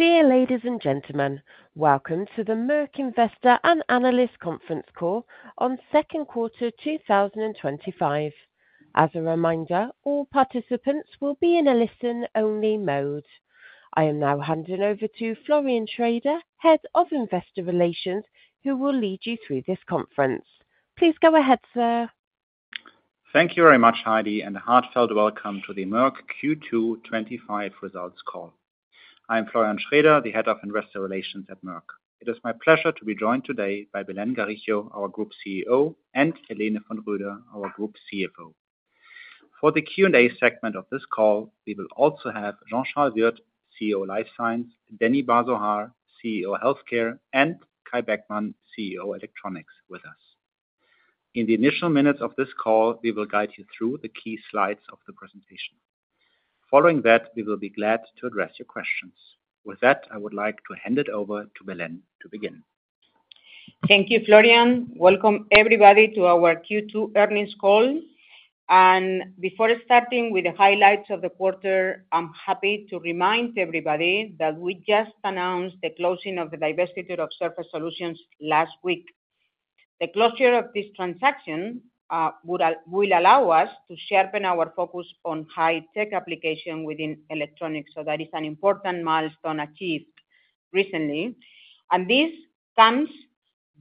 Dear ladies and gentlemen, welcome to Merck investor and analyst conference call on second quarter 2025. As a reminder, all participants will be in a listen-only mode. I am now handing over to Florian Schraeder, Head of Investor Relations, who will lead you through this conference. Please go ahead, sir. Thank you very much, Heidi, and a heartfelt welcome to Merck Q2 2025 Results Call. I am Florian Schraeder, the Head of Investor Relations at Merck. It is my pleasure to be joined today by Belén Garijo, our Group CEO, and Helene von Roeder, our Group CFO. For the Q&A segment of this call, we will also have Jean-Charles Wirth, CEO Life Science, Danny Bar-Zohar, CEO Healthcare, and Kai Beckmann, CEO Electronics, with us. In the initial minutes of this call, we will guide you through the key slides of the presentation. Following that, we will be glad to address your questions. With that, I would like to hand it over to Belén to begin. Thank you, Florian. Welcome, everybody, to our Q2 earnings call. Before starting with the highlights of the quarter, I'm happy to remind everybody that we just announced the closing of the divestiture of Surface Solutions last week. The closure of this transaction will allow us to sharpen our focus on high-tech applications within electronics. That is an important milestone achieved recently. This comes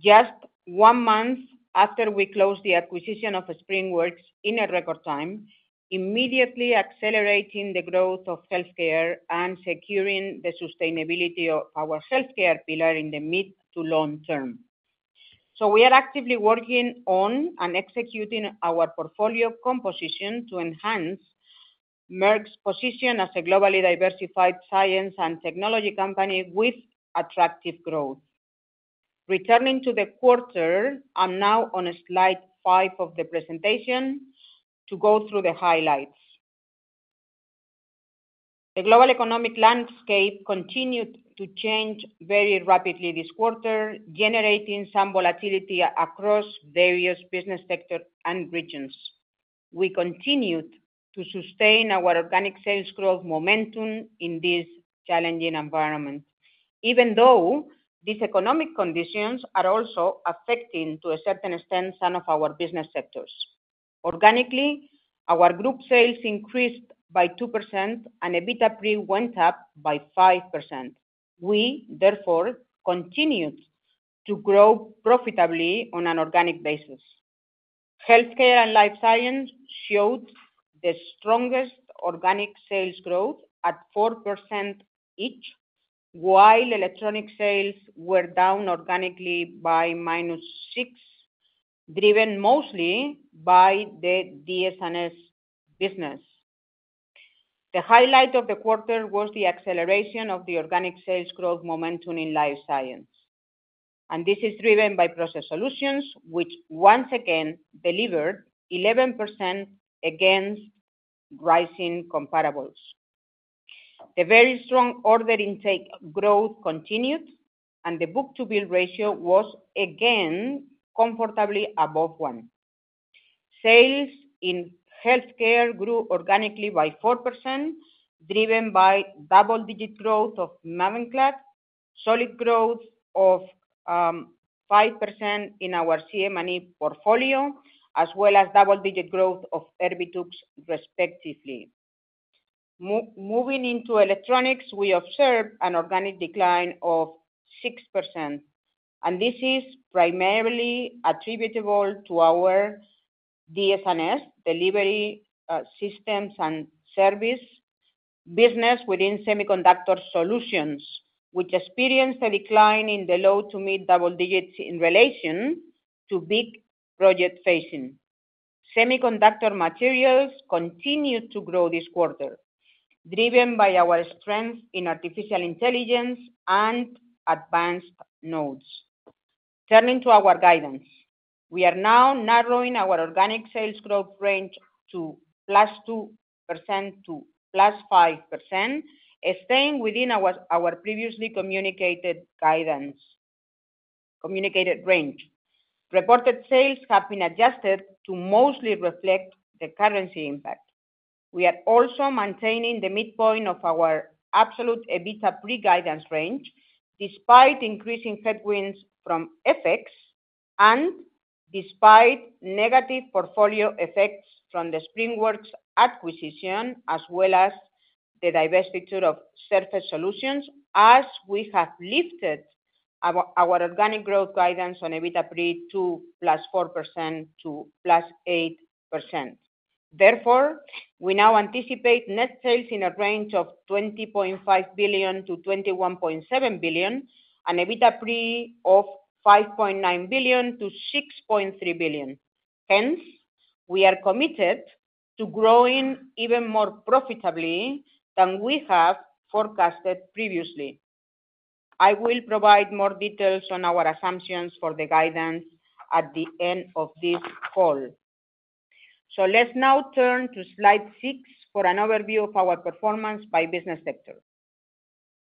just one month after we closed the acquisition of SpringWorks in a record time, immediately accelerating the growth of healthcare and securing the sustainability of our healthcare pillar in the mid to long term. We are actively working on and executing our portfolio composition to eNIHance Merck's position as a globally diversified science and technology company with attractive growth. Returning to the quarter, I'm now on slide five of the presentation to go through the highlights. The global economic landscape continued to change very rapidly this quarter, generating some volatility across various business sectors and regions. We continued to sustain our organic sales growth momentum in this challenging environment, even though these economic conditions are also affecting, to a certain extent, some of our business sectors. Organically, our group sales increased by 2% and EBITDA pre went up by 5%. We, therefore, continued to grow profitably on an organic basis. Healthcare and Life Science showed the strongest organic sales growth at 4% each, while Electronics sales were down organically by -6%, driven mostly by the DS&S business. The highlight of the quarter was the acceleration of the organic sales growth momentum in Life Science. This is driven by Process Solutions, which once again delivered 11% against rising comparables. The very strong order intake growth continued, and the book-to-bill ratio was again comfortably above one. Sales in Healthcare grew organically by 4%, driven by double-digit growth of MAVENCLAD, solid growth of 5% in our CM&E portfolio, as well as double-digit growth of Erbitux, respectively. Moving into Electronics, we observed an organic decline of 6%. This is primarily attributable to our DS&S Delivery Systems & Services business within Semiconductor Solutions, which experienced a decline in the low to mid-double digits in relation to big project phasing. Semiconductor materials continued to grow this quarter, driven by our strength in artificial intelligence and advanced nodes. Turning to our guidance, we are now narrowing our organic sales growth range to +2% to +5%, staying within our previously communicated range. Reported sales have been adjusted to mostly reflect the currency impact. We are also maintaining the midpoint of our absolute EBITDA pre-guidance range, despite increasing headwinds from FX and despite negative portfolio effects from the SpringWorks acquisition, as well as the divestiture of Surface Solutions, as we have lifted our organic growth guidance on EBITDA pre to +4% to +8%. Therefore, we now anticipate net sales in a range of 20.5 billion-21.7 billion, and EBITDA pre of 5.9 billion-6.3 billion. Hence, we are committed to growing even more profitably than we have forecasted previously. I will provide more details on our assumptions for the guidance at the end of this call. Let's now turn to slide six for an overview of our performance by business sector.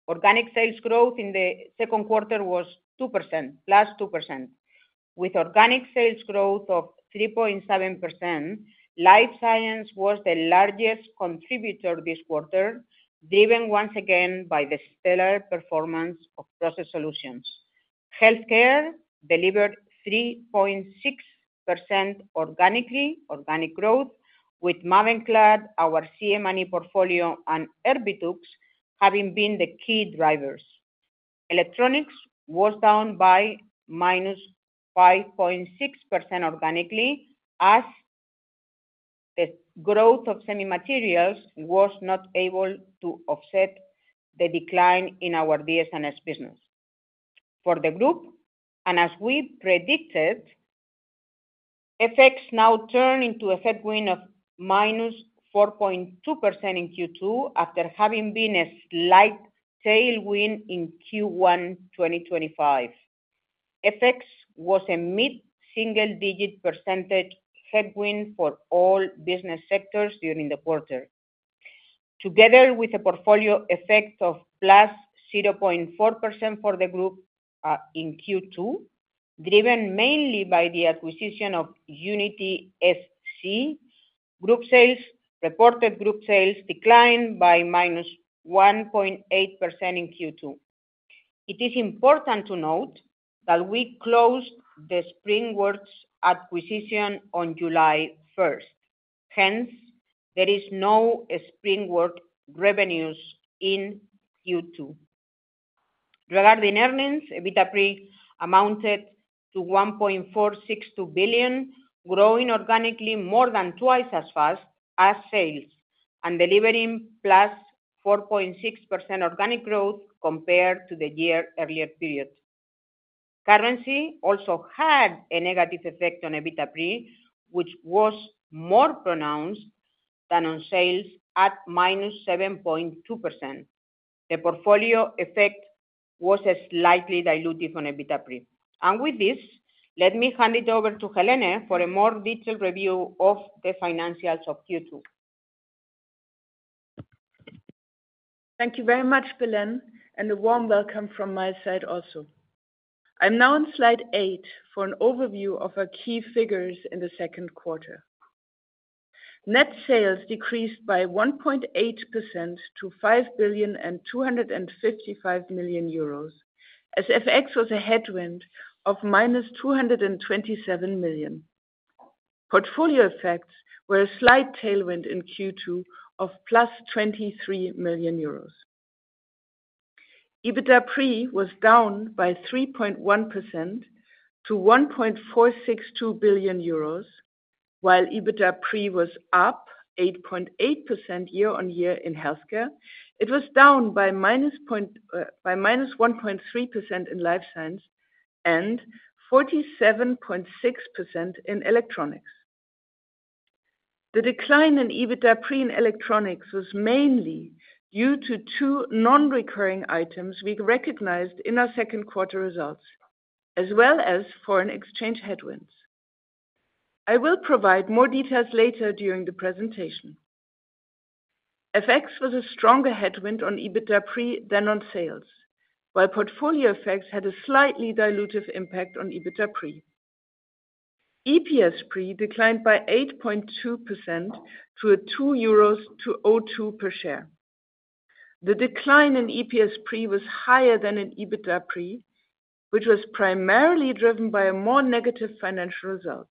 Organic sales growth in the second quarter was 2%, +2%. With organic sales growth of 3.7%, Life Science was the largest contributor this quarter, driven once again by the stellar performance of Process Solutions. Healthcare delivered 3.6% organic growth, with MAVENCLAD, our CM&E portfolio, and Erbitux having been the key drivers. Electronics was down by -5.6% organically, as the growth of semi-materials was not able to offset the decline in our DS&S business. For the group, and as we predicted, FX now turned into a headwind of -4.2% in Q2 after having been a slight tailwind in Q1 2025. FX was a mid-single-digit percentage headwind for all business sectors during the quarter, together with the portfolio effects of +0.4% for the group in Q2, driven mainly by the acquisition of Unity SC. Group sales reported declined by -1.8% in Q2. It is important to note that we closed the SpringWorks acquisition on July 1. Hence, there is no SpringWorks revenues in Q2. Regarding earnings, EBITDA pre amounted to 1.462 billion, growing organically more than twice as fast as sales and delivering +4.6% organic growth compared to the year earlier period. Currency also had a negative effect on EBITDA pre, which was more pronounced than on sales at -7.2%. The portfolio effect was slightly diluted on EBITDA pre. With this, let me hand it over to Helene for a more detailed review of the financials of Q2. Thank you very much, Belén, and a warm welcome from my side also. I'm now on slide eight for an overview of our key figures in the second quarter. Net sales decreased by 1.8% to EUR 5.255 billion as FX was a headwind of -227 million. Portfolio effects were a slight tailwind in Q2 of +23 million euros. EBITDA pre was down by 3.1% to 1.462 billion euros. While EBITDA pre was up 8.8% year-on-year in Healthcare, it was down by -1.3% in Life Science and 47.6% in Electronics. The decline in EBITDA pre in Electronics was mainly due to two non-recurring items we recognized in our second quarter results, as well as foreign exchange headwinds. I will provide more details later during the presentation. FX was a stronger headwind on EBITDA pre than on sales, while portfolio effects had a slightly diluted impact on EBITDA pre. EPS pre declined by 8.2% to 2.02 euros per share. The decline in EPS pre was higher than in EBITDA pre, which was primarily driven by a more negative financial result.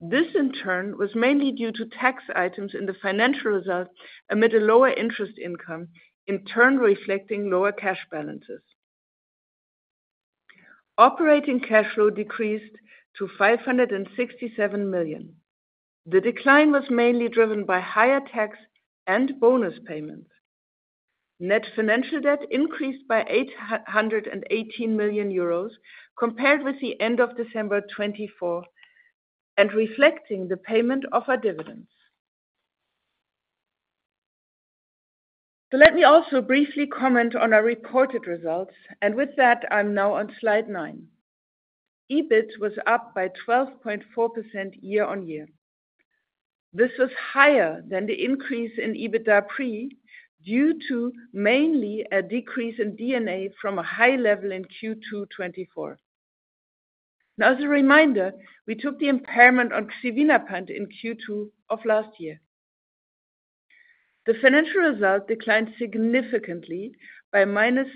This, in turn, was mainly due to tax items in the financial result amid a lower interest income, in turn reflecting lower cash balances. Operating cash flow decreased to 567 million. The decline was mainly driven by higher tax and bonus payments. Net financial debt increased by 818 million euros compared with the end of December 2024 and reflecting the payment of our dividends. Let me also briefly comment on our reported results. I'm now on slide nine. EBIT was up by 12.4% year-on-year. This was higher than the increase in EBITDA pre due to mainly a decrease in D&A from a high level in Q2 2024. As a reminder, we took the impairment on Xevinapant in Q2 of last year. The financial result declined significantly by -55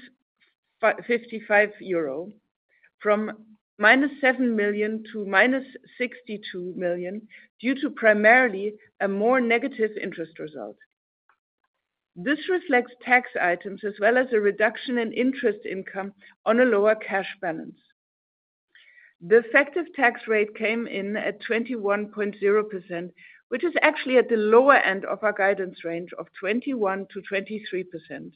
million euro from 7 million to -62 million due to primarily a more negative interest result. This reflects tax items as well as a reduction in interest income on a lower cash balance. The effective tax rate came in at 21.0%, which is actually at the lower end of our guidance range of 21%-23%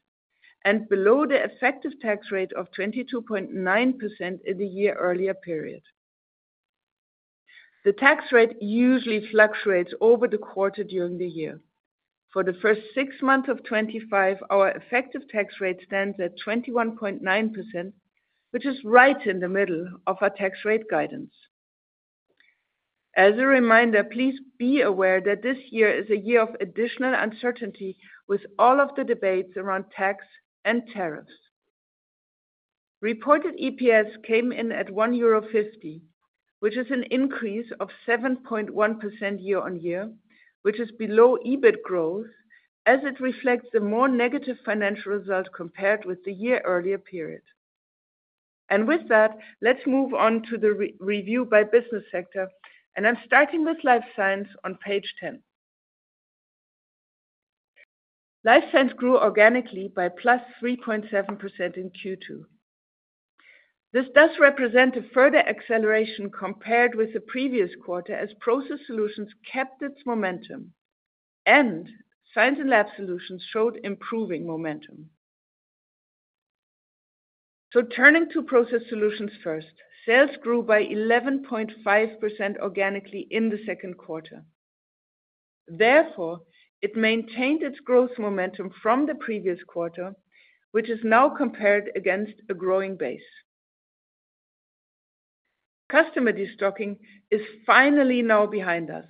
and below the effective tax rate of 22.9% in the year earlier period. The tax rate usually fluctuates over the quarter during the year. For the first six months of 2025, our effective tax rate stands at 21.9%, which is right in the middle of our tax rate guidance. As a reminder, please be aware that this year is a year of additional uncertainty with all of the debates around tax and tariffs. Reported EPS came in at 1.50 euro, which is an increase of 7.1% year-on-year, which is below EBIT growth as it reflects the more negative financial result compared with the year earlier period. With that, let's move on to the review by business sector. I'm starting with Life Science on page 10. Life Science grew organically by +3.7% in Q2. This does represent a further acceleration compared with the previous quarter as Process Solutions kept its momentum and Science and Lab Solutions showed improving momentum. Turning to Process Solutions first, sales grew by 11.5% organically in the second quarter. Therefore, it maintained its growth momentum from the previous quarter, which is now compared against a growing base. Customer destocking is finally now behind us.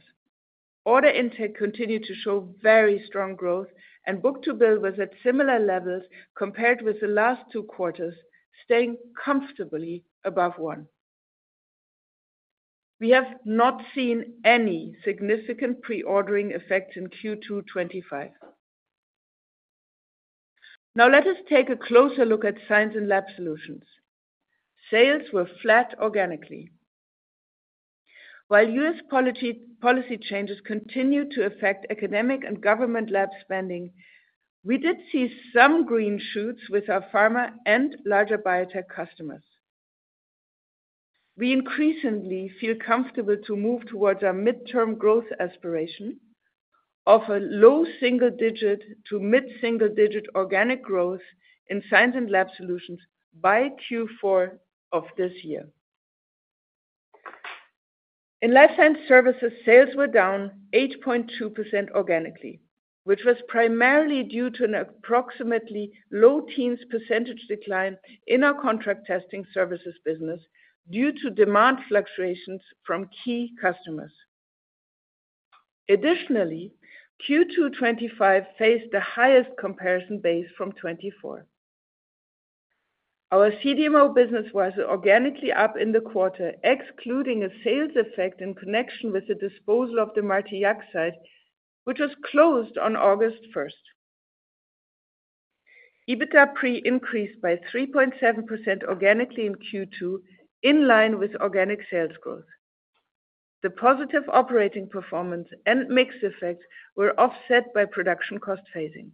Order intake continued to show very strong growth and book-to-bill was at similar levels compared with the last two quarters, staying comfortably above one. We have not seen any significant pre-ordering effects in Q2 2025. Let us take a closer look at Science and Lab Solutions. Sales were flat organically. While U.S. policy changes continued to affect academic and government lab spending, we did see some green shoots with our pharma and larger biotech customers. We increasingly feel comfortable to move towards our mid-term growth aspiration of a low single-digit to mid-single-digit organic growth in Science and Lab Solutions by Q4 of this year. In Life Science Services, sales were down 8.2% organically, which was primarily due to an approximately low teens percentage decline in our contract testing services business due to demand fluctuations from key customers. Additionally, Q2 2025 faced the highest comparison base from 2024. Our CDMO business was organically up in the quarter, excluding a sales effect in connection with the disposal of the maltodexide, which was closed on August 1. EBITDA pre increased by 3.7% organically in Q2, in line with organic sales growth. The positive operating performance and mix effects were offset by production cost phasing.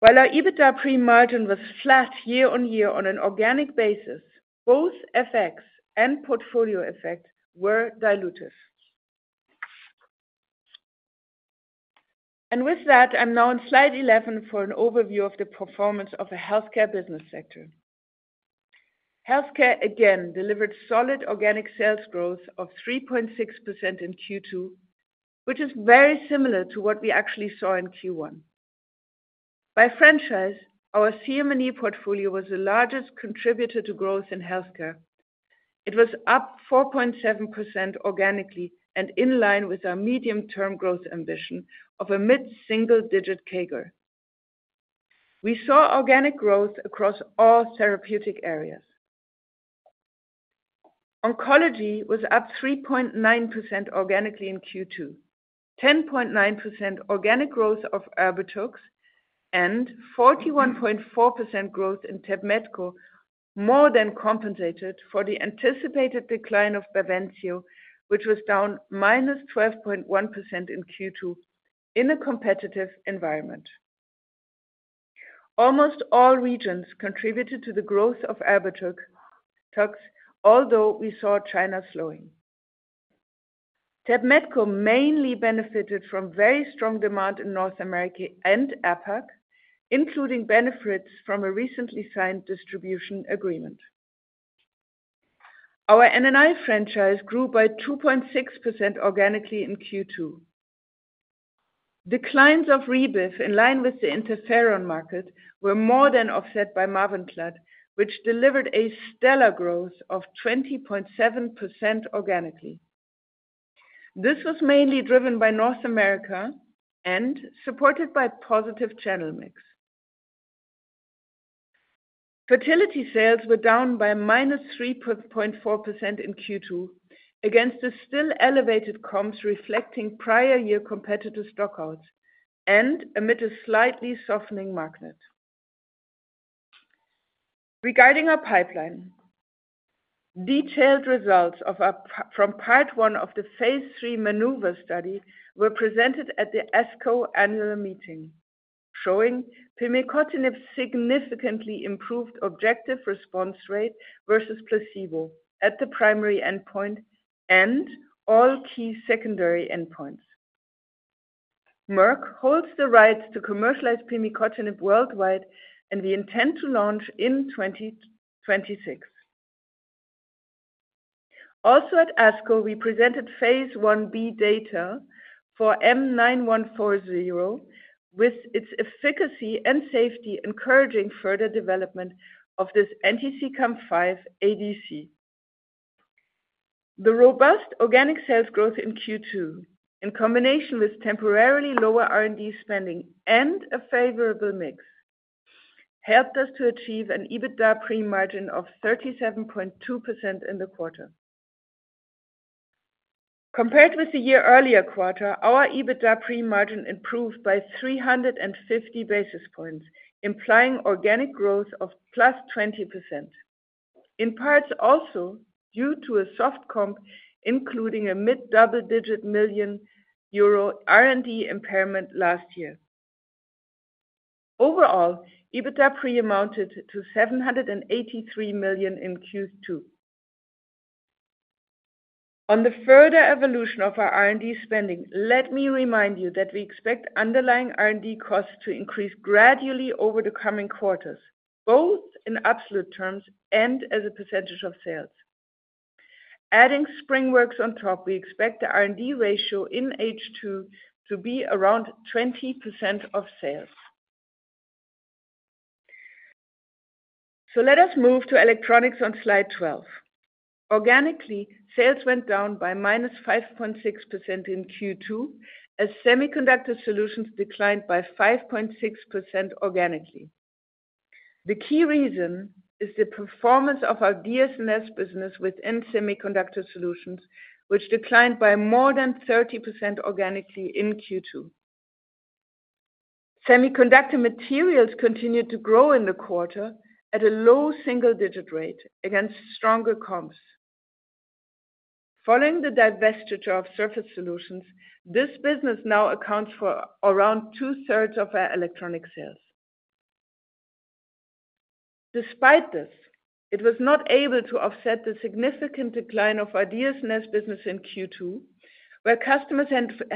While our EBITDA pre margin was flat year-on-year on an organic basis, both FX and portfolio effects were diluted. With that, I'm now on slide 11 for an overview of the performance of the Healthcare business sector. Healthcare again delivered solid organic sales growth of 3.6% in Q2, which is very similar to what we actually saw in Q1. By franchise, our CM&E portfolio was the largest contributor to growth in Healthcare. It was up 4.7% organically and in line with our medium-term growth ambition of a mid-single-digit CAGR. We saw organic growth across all therapeutic areas. Oncology was up 3.9% organically in Q2, 10.9% organic growth of Erbitux, and 41.4% growth in Tepmetko, more than compensated for the anticipated decline of Bavencio, which was down 12.1% in Q2 in a competitive environment. Almost all regions contributed to the growth of Erbitux, although we saw China slowing. Tepmetko mainly benefited from very strong demand in North America and APAC, including benefits from a recently signed distribution agreement. Our NNI franchise grew by 2.6% organically in Q2. Declines of Rebif in line with the interferon market were more than offset by MAVENCLAD, which delivered a stellar growth of 20.7% organically. This was mainly driven by North America and supported by positive channel mix. Fertility sales were down by -3.4% in Q2 against the still elevated comps reflecting prior year competitive stockouts and amid a slightly softening market. Regarding our pipeline, detailed results from part one of the phase three MANEUVER study were presented at the ASCO annual meeting, showing pemigatinib significantly improved objective response rate versus placebo at the primary endpoint and all key secondary Merck holds the rights to commercialize pemigatinib worldwide and we intend to launch in 2026. Also at ASCO, we presented phase I-B data for M9140 with its efficacy and safety, encouraging further development of this anti-CEACAM5 ADC. The robust organic sales growth in Q2, in combination with temporarily lower R&D spending and a favorable mix, helped us to achieve an EBITDA pre margin of 37.2% in the quarter. Compared with the year earlier quarter, our EBITDA pre margin improved by 350 basis points, implying organic growth of +20%. In parts also due to a soft comp, including a mid-double-digit million euro R&D impairment last year. Overall, EBITDA pre amounted to 783 million in Q2. On the further evolution of our R&D spending, let me remind you that we expect underlying R&D costs to increase gradually over the coming quarters, both in absolute terms and as a percentage of sales. Adding SpringWorks on top, we expect the R&D ratio in H2 to be around 20% of sales. Let us move to Electronics on slide 12. Organically, sales went down by -5.6% in Q2 as Semiconductor Solutions declined by 5.6% organically. The key reason is the performance of our DS&S business within Semiconductor Solutions, which declined by more than 30% organically in Q2. Semiconductor materials continued to grow in the quarter at a low single-digit rate against stronger comps. Following the divestiture of Surface Solutions, this business now accounts for around 2/3 of our Electronics sales. Despite this, it was not able to offset the significant decline of our DS&S business in Q2, where customers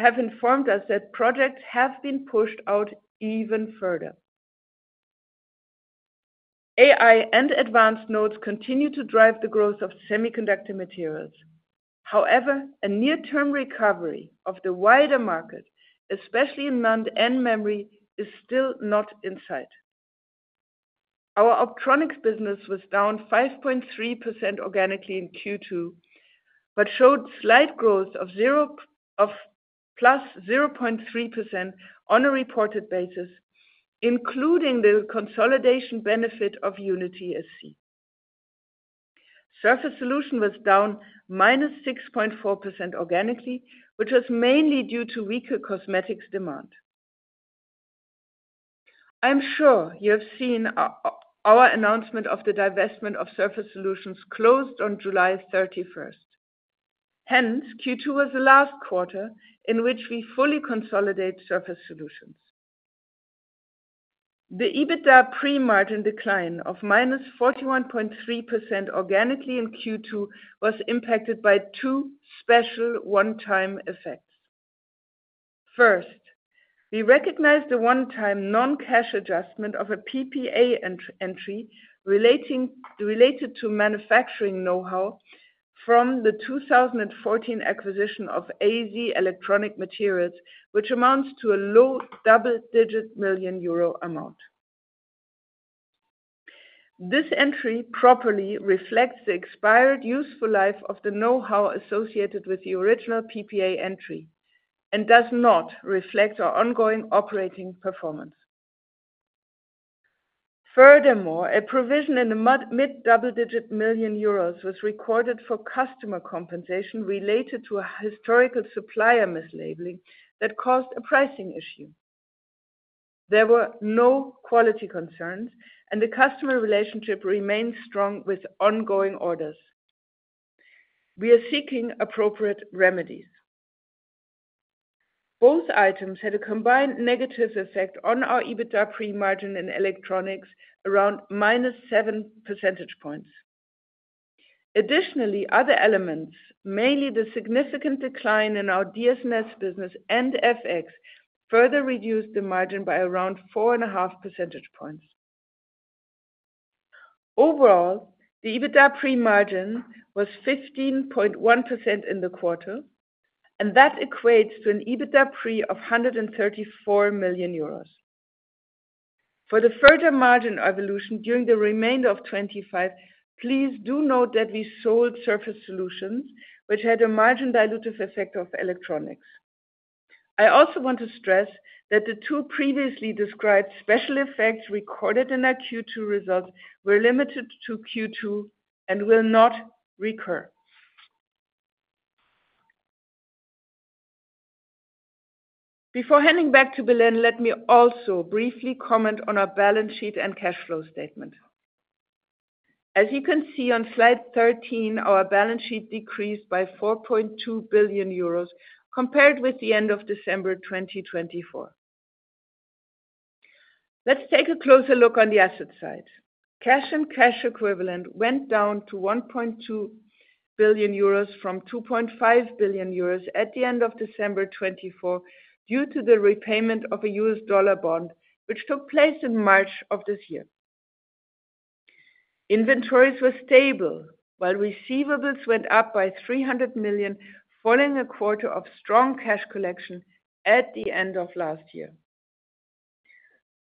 have informed us that projects have been pushed out even further. AI and advanced nodes continue to drive the growth of semiconductor materials. However, a near-term recovery of the wider market, especially in NAND and memory, is still not in sight. Our Optronics business was down 5.3% organically in Q2, but showed slight growth of +0.3% on a reported basis, including the consolidation benefit of Unity SC. Surface Solutions was down -6.4% organically, which was mainly due to weaker cosmetics demand. I'm sure you have seen our announcement of the divestment of Surface Solutions closed on July 31. Hence, Q2 was the last quarter in which we fully consolidated Surface Solutions. The EBITDA pre margin decline of -41.3% organically in Q2 was impacted by two special one-time effects. First, we recognized the one-time non-cash adjustment of a PPA entry related to manufacturing know-how from the 2014 acquisition of AZ Electronic Materials, which amounts to a low double-digit million euro amount. This entry properly reflects the expired useful life of the know-how associated with the original PPA entry and does not reflect our ongoing operating performance. Furthermore, a provision in the mid-double-digit million euros was recorded for customer compensation related to a historical supplier mislabeling that caused a pricing issue. There were no quality concerns, and the customer relationship remains strong with ongoing orders. We are seeking appropriate remedies. Both items had a combined negative effect on our EBITDA pre margin in Electronics around -7 percentage points. Additionally, other elements, mainly the significant decline in our DS&S business and FX, further reduced the margin by around 4.5 percentage points. Overall, the EBITDA pre margin was 15.1% in the quarter, and that equates to an EBITDA pre of 134,000,000 euros. For the further margin evolution during the remainder of 2025, please do note that we sold Surface Solutions, which had a margin dilutive effect on Electronics. I also want to stress that the two previously described special effects recorded in our Q2 results were limited to Q2 and will not recur. Before handing back to Belén, let me also briefly comment on our balance sheet and cash flow statement. As you can see on slide 13, our balance sheet decreased by 4.2 billion euros compared with the end of December 2024. Let's take a closer look on the asset side. Cash and cash equivalents went down to 1.2 billion euros from 2.5 billion euros at the end of December 2024 due to the repayment of a U.S. dollar bond, which took place in March of this year. Inventories were stable, while receivables went up by 300 million, following a quarter of strong cash collection at the end of last year.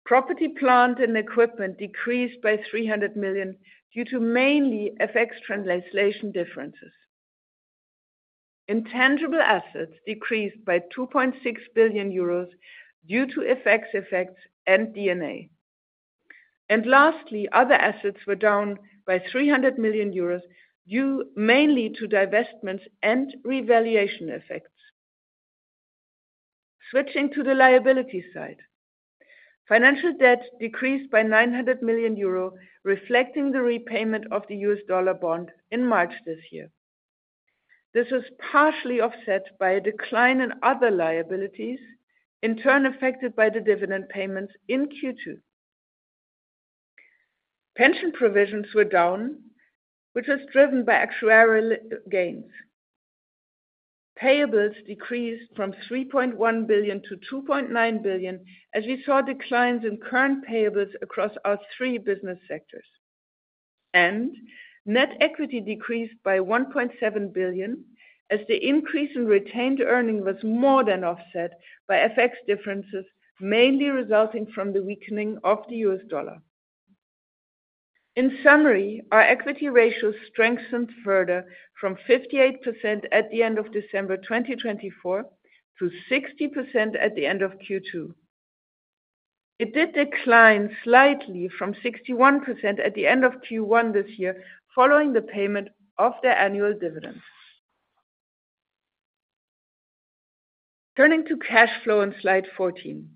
Property, plant, and equipment decreased by 300 million due mainly to FX translation differences. Intangible assets decreased by 2.6 billion euros due to FX effects and D&A. Lastly, other assets were down by 300 million euros due mainly to divestments and revaluation effects. Switching to the liability side, financial debt decreased by 900 million euro, reflecting the repayment of the U.S. dollar bond in March this year. This was partially offset by a decline in other liabilities, in turn affected by the dividend payments in Q2. Pension provisions were down, which was driven by actuarial gains. Payables decreased from 3.1 billion to 2.9 billion, as we saw declines in current payables across our three business sectors. Net equity decreased by 1.7 billion, as the increase in retained earnings was more than offset by FX differences, mainly resulting from the weakening of the U.S. dollar. In summary, our equity ratio strengthened further from 58% at the end of December 2024 to 60% at the end of Q2. It did decline slightly from 61% at the end of Q1 this year, following the payment of the annual dividends. Turning to cash flow on slide 14,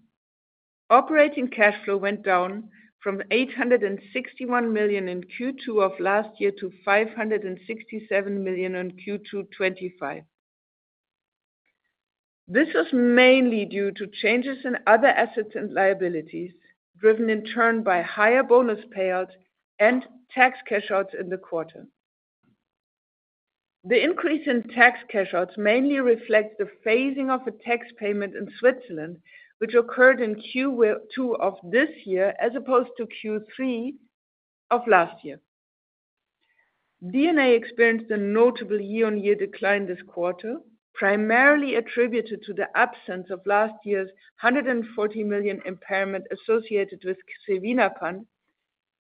operating cash flow went down from 861 million in Q2 of last year to 567 million in Q2 2025. This was mainly due to changes in other assets and liabilities, driven in turn by higher bonus payouts and tax cash outs in the quarter. The increase in tax cash outs mainly reflects the phasing of a tax payment in Switzerland, which occurred in Q2 of this year as opposed to Q3 of last year. D&A experienced a notable year-on-year decline this quarter, primarily attributed to the absence of last year's 140 million impairment associated with Xevinapant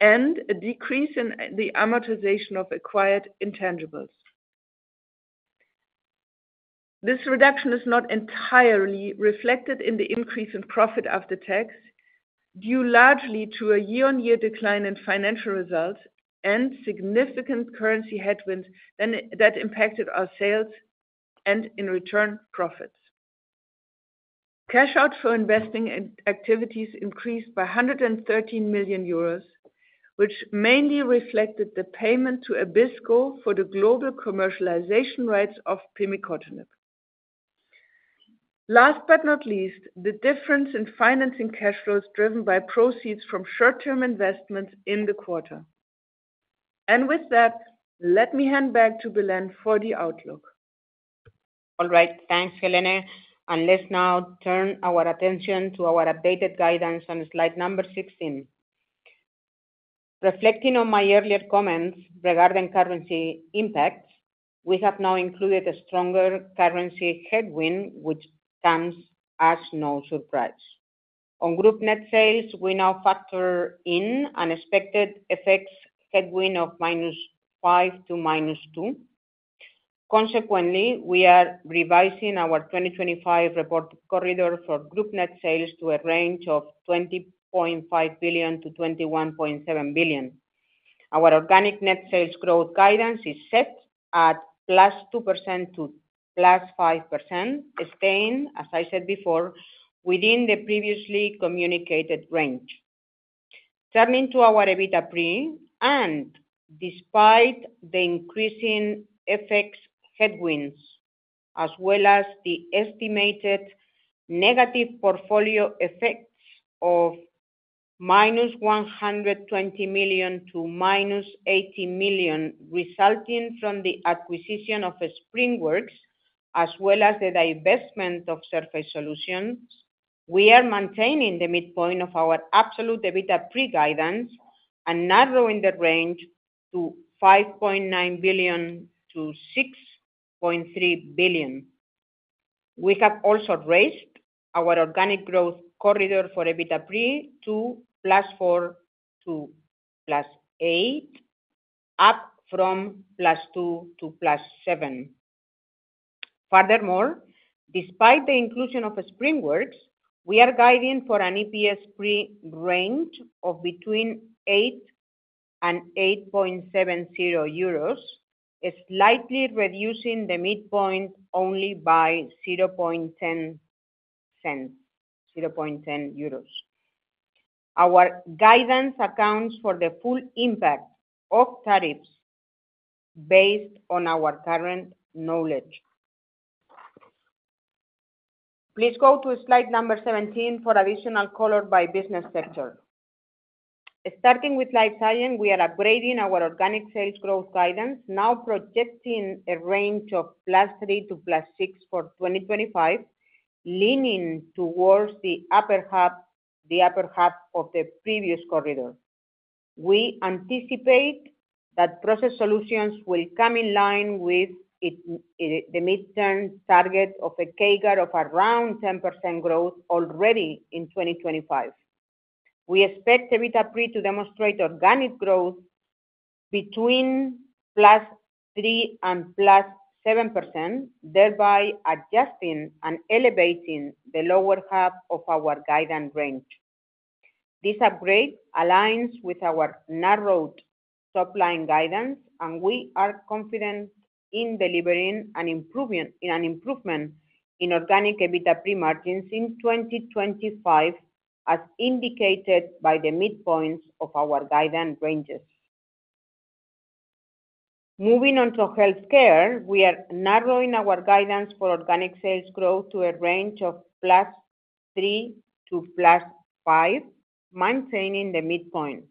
and a decrease in the amortization of acquired intangibles. This reduction is not entirely reflected in the increase in profit after tax, due largely to a year-on-year decline in financial results and significant currency headwinds that impacted our sales and, in return, profits. Cash outs for investing activities increased by 113 million euros, which mainly reflected the payment to Abisco for the global commercialization rights of pemicotinib. Last but not least, the difference in financing cash flows was driven by proceeds from short-term investments in the quarter. With that, let me hand back to Belén for the outlook. All right. Thanks, Helene. Let's now turn our attention to our updated guidance on slide number 16. Reflecting on my earlier comments regarding currency impacts, we have now included a stronger currency headwind, which comes as no surprise. On group net sales, we now factor in an expected FX headwind of -5% to -2%. Consequently, we are revising our 2025 report corridor for group net sales to a range of 20.5 billion-21.7 billion. Our organic net sales growth guidance is set at +2% to +5%, staying, as I said before, within the previously communicated range. Turning to our EBITDA pre and despite the increasing FX headwinds, as well as the estimated negative portfolio effects of -120 million to -80 million resulting from the acquisition of SpringWorks, as well as the divestment of Surface Solutions, we are maintaining the midpoint of our absolute EBITDA pre guidance and narrowing the range to 5.9 billion-6.3 billion. We have also raised our organic growth corridor for EBITDA pre to +4% to +8%, up from +2% to +7%. Furthermore, despite the inclusion of SpringWorks Therapeutics, we are guiding for an EPS pre range of between 8 and 8.70 euros, slightly reducing the midpoint only by 0.10. Our guidance accounts for the full impact of tariffs based on our current knowledge. Please go to slide number 17 for additional color by business sector. Starting with Life Science, we are upgrading our organic sales growth guidance, now projecting a range of +3% to +6% for 2025, leaning towards the upper half of the previous corridor. We anticipate that Process Solutions will come in line with the mid-term target of a CAGR of around 10% growth already in 2025. We expect EBITDA pre to demonstrate organic growth between +3% and +7%, thereby adjusting and elevating the lower half of our guidance range. This upgrade aligns with our narrowed top-line guidance, and we are confident in delivering an improvement in organic EBITDA pre margins in 2025, as indicated by the midpoints of our guidance ranges. Moving on to Healthcare, we are narrowing our guidance for organic sales growth to a range of +3% to +5%, maintaining the midpoint.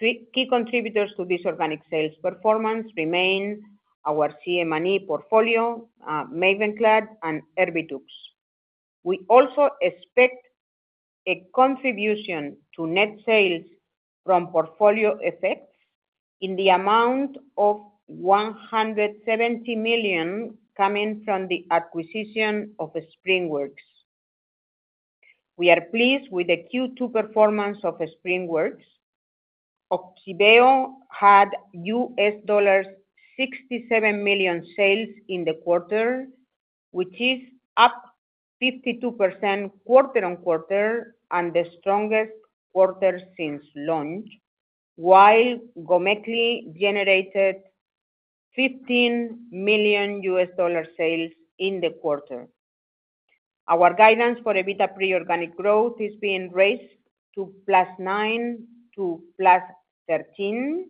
Key contributors to this organic sales performance remain our CM&E portfolio, MAVENCLAD, and Erbitux. We also expect a contribution to net sales from portfolio effects in the amount of 170 million coming from the acquisition of SpringWorks. We are pleased with the Q2 performance of SpringWorks. Ogsiveo had $67 million sales in the quarter, which is up 52% quarter on quarter and the strongest quarter since launch, while Gomekli generated $15 million sales in the quarter. Our guidance for EBITDA pre organic growth is being raised to +9% to +13%,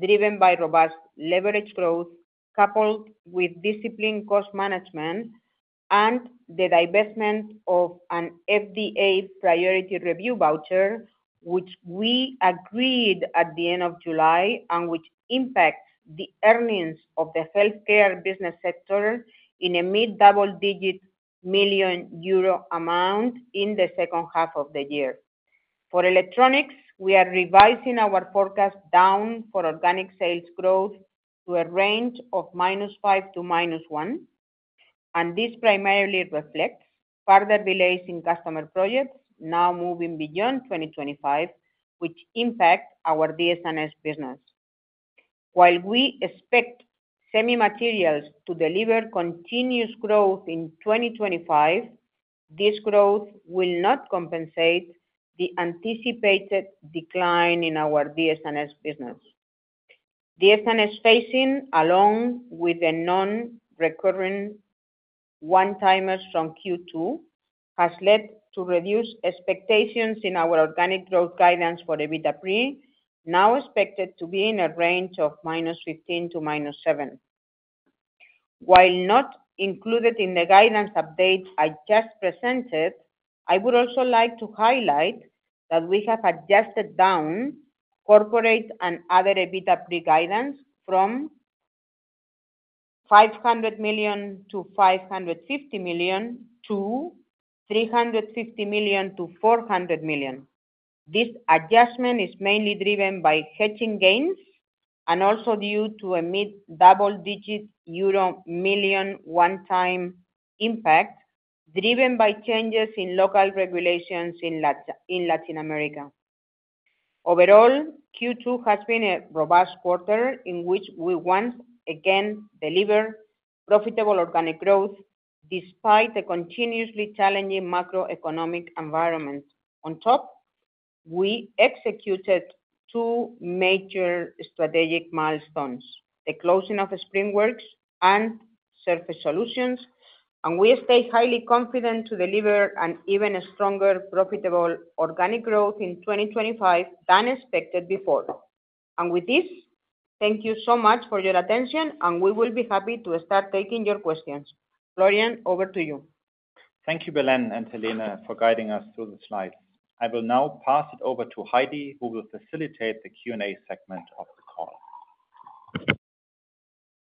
driven by robust leverage growth coupled with disciplined cost management and the divestment of an FDA priority review voucher, which we agreed at the end of July and which impacts the earnings of the Healthcare business sector in a mid-double-digit million euro amount in the second half of the year. For Electronics, we are revising our forecast down for organic sales growth to a range of -5% to -1%. This primarily reflects further delays in customer projects now moving beyond 2025, which impact our DS&S business. While we expect Semi-Materials to deliver continuous growth in 2025, this growth will not compensate the anticipated decline in our DS&S business. DS&S phasing, along with the non-recurring one-timer strong Q2, has led to reduced expectations in our organic growth guidance for EBITDA pre, now expected to be in a range of -15% to -7%. While not included in the guidance update I just presented, I would also like to highlight that we have adjusted down Corporate and Other EBITDA pre guidance from 500 million to 550 million to 350 million to 400 million. This adjustment is mainly driven by hedging gains and also due to a mid-double-digit million euro one-time impact, driven by changes in local regulations in Latin America. Overall, Q2 has been a robust quarter in which we once again delivered profitable organic growth despite a continuously challenging macroeconomic environment. On top, we executed two major strategic milestones: the closing of SpringWorks and Surface Solutions. We stay highly confident to deliver an even stronger profitable organic growth in 2025 than expected before. Thank you so much for your attention, and we will be happy to start taking your questions. Florian, over to you. Thank you, Belén and Helene, for guiding us through the slides. I will now pass it over to Heidi, who will facilitate the Q&A segment of the call.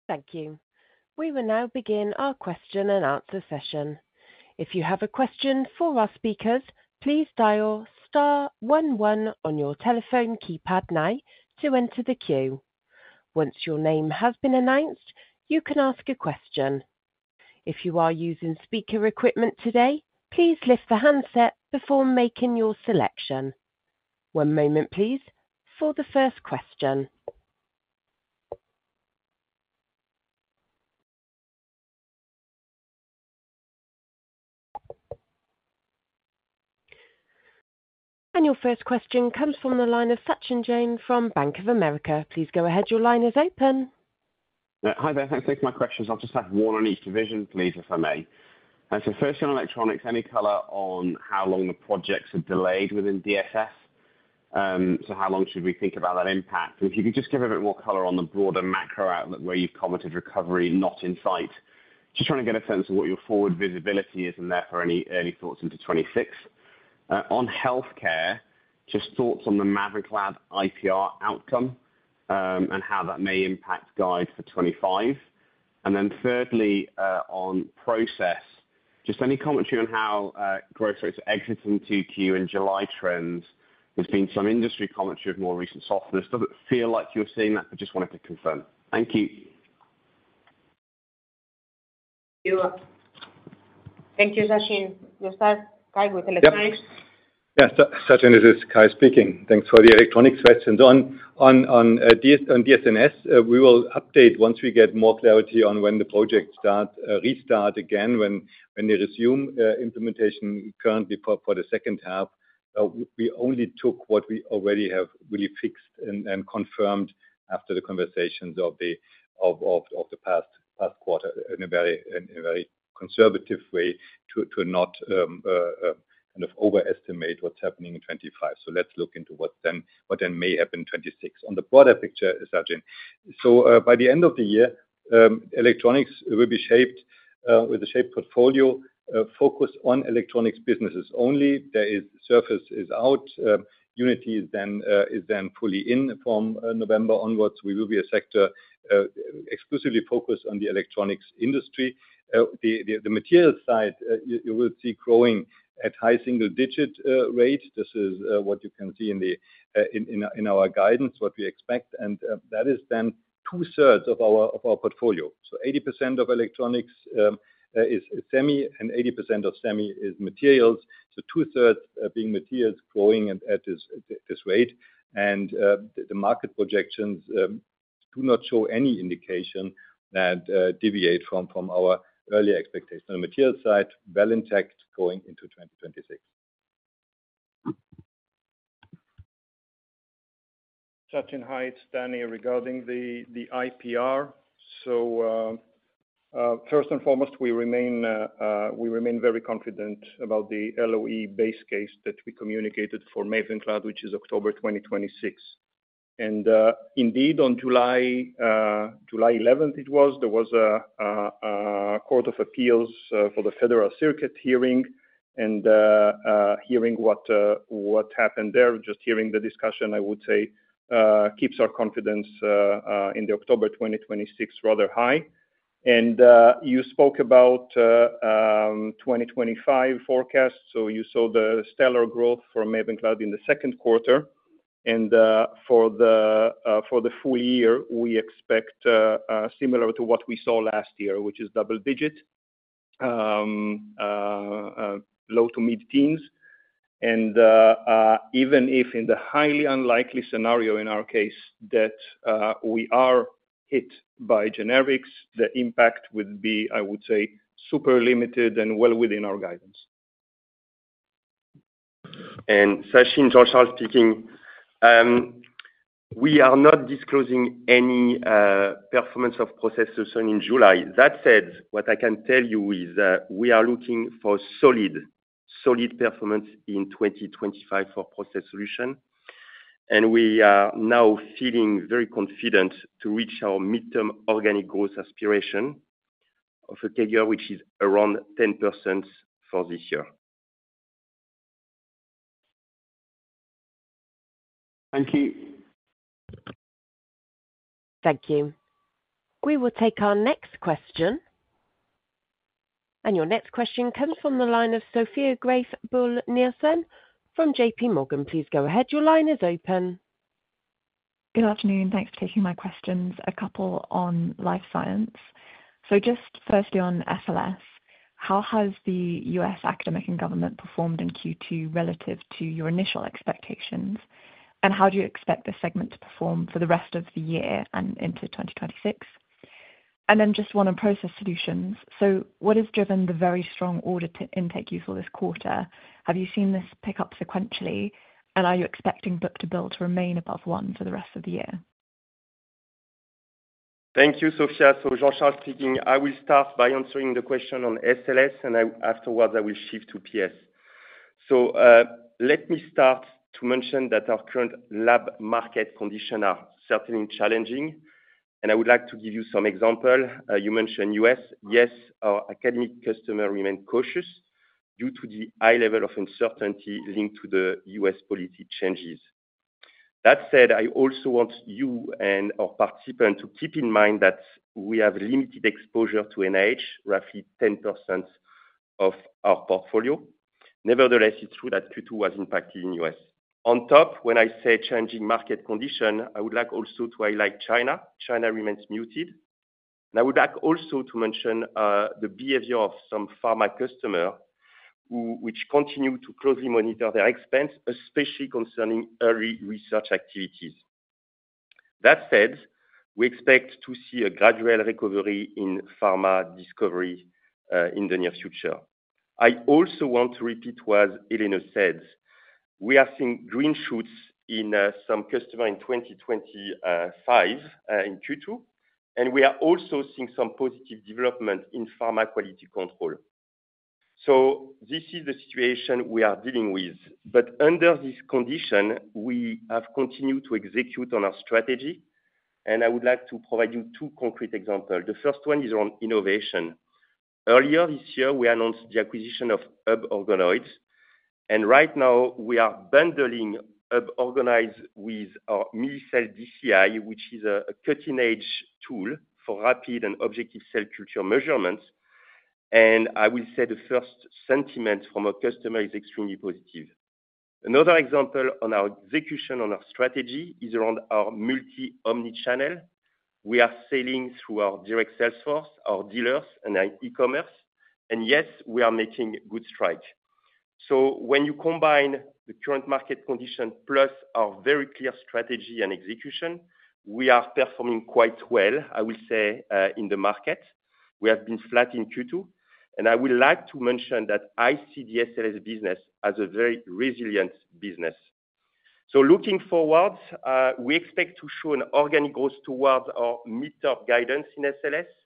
Thank you. We will now begin our question and answer session. If you have a question for our speakers, please dial star one one on your telephone keypad now to enter the queue. Once your name has been announced, you can ask a question. If you are using speaker equipment today, please lift the handset before making your selection. One moment, please, for the first question. Your first question comes from the line of Sachin Jain from Bank of America. Please go ahead. Your line is open. Hi there. Thanks for taking my questions. I'll just have one on each division, please, if I may. First, on Electronics, any color on how long the projects are delayed within DS&S? How long should we think about that impact? If you could just give a bit more color on the broader macro outlook where you've commented recovery not in sight. Just trying to get a sense of what your forward visibility is in there for any early thoughts into 2026. On Healthcare, just thoughts on the MAVENCLAD IPR outcome and how that may impact guide for 2025. Thirdly, on Process, just any commentary on how growth rates exiting Q2 and July trends. There's been some industry commentary of more recent softness. Doesn't feel like you're seeing that, but just wanted to confirm. Thank you. Thank you, Sachin. Yosar, Kai with Electronics? Yes. Yes, Sachin, this is Kai speaking. Thanks for the electronics. On DS&S, we will update once we get more clarity on when the projects restart again, when they resume implementation. Currently for the second half, we only took what we already have really fixed and confirmed after the conversations of the past quarter in a very conservative way to not overestimate what's happening in 2025. Let's look into what then may happen in 2026. On the broader picture, Sachin, by the end of the year, electronics will be shaped with a shaped portfolio focused on electronics businesses only. The surface is out. Unity is then fully in from November onwards. We will be a sector exclusively focused on the electronics industry. The materials side, you will see growing at high single-digit rate. This is what you can see in our guidance, what we expect. That is then two-thirds of our portfolio. 80% of electronics is semi and 80% of semi is materials. Two-thirds being materials growing at this rate. The market projections do not show any indication that deviate from our earlier expectation. On the materials side, intact going into 2026. Danny, regarding the IPR, first and foremost, we remain very confident about the LOE base case that we communicated for MAVENCLAD, which is October 2026. Indeed, on July 11, there was a Court of Appeals for the Federal Circuit hearing. Hearing what happened there, just hearing the discussion, I would say, keeps our confidence in the October 2026 rather high. You spoke about the 2025 forecast. You saw the stellar growth for MAVENCLAD in the second quarter, and for the full year, we expect similar to what we saw last year, which is double-digit, low to mid-teens. Even if in the highly unlikely scenario in our case that we are hit by generics, the impact would be, I would say, super limited and well within our guidance. Sachin, Jean-Charles speaking. We are not disclosing any performance of Process Solutions in July. What I can tell you is that we are looking for solid performance in 2025 for Process Solutions, and we are now feeling very confident to reach our mid-term organic growth aspiration of a CAGR which is around 10% for this year. Thank you. Thank you. We will take our next question. Your next question comes from the line of [Sophia Grace Bull-Nielsen] from JPMorgan. Please go ahead. Your line is open. Good afternoon. Thanks for taking my questions. A couple on Life Science. Just firstly on Science and Lab Solutions, how has the U.S. academic and government performed in Q2 relative to your initial expectations? How do you expect this segment to perform for the rest of the year and into 2026? One on Process Solutions, what has driven the very strong audit intake you saw this quarter? Have you seen this pick up sequentially? Are you expecting book-to-bill to remain above one for the rest of the year? Thank you, Sophia. Jean-Charles speaking. I will start by answering the question on Science and Lab Solutions, and afterwards, I will shift to Process Solutions. Let me start to mention that our current lab market conditions are certainly challenging. I would like to give you some examples. You mentioned U.S. Yes, our academic customers remain cautious due to the high level of uncertainty linked to the U.S. policy changes. That said, I also want you and our participants to keep in mind that we have limited exposure to NIH, roughly 10% of our portfolio. Nevertheless, it's true that Q2 was impacted in the U.S. On top, when I say changing market conditions, I would also like to highlight China. China remains muted. I would also like to mention the behavior of some pharma customers which continue to closely monitor their expense, especially concerning early research activities. That said, we expect to see a gradual recovery in pharma discovery in the near future. I also want to repeat what Helene von Roeder said. We are seeing green shoots in some customers in 2025 in Q2. We are also seeing some positive developments in pharma quality control. This is the situation we are dealing with. Under this condition, we have continued to execute on our strategy. I would like to provide you two concrete examples. The first one is around innovation. Earlier this year, we announced the acquisition of HerbOrganoids. Right now, we are bundling HerbOrganoids with our MiniCell DCI, which is a cutting-edge tool for rapid and objective cell culture measurements. I will say the first sentiment from our customers is extremely positive. Another example on our execution on our strategy is around our multi-omnichannel. We are selling through our direct sales force, our dealers, and our e-commerce. Yes, we are making good strides. When you combine the current market condition plus our very clear strategy and execution, we are performing quite well, I will say, in the market. We have been flat in Q2. I would like to mention that I see the Science and Lab Solutions business as a very resilient business. Looking forward, we expect to show an organic growth towards our mid-term guidance in Science and Lab Solutions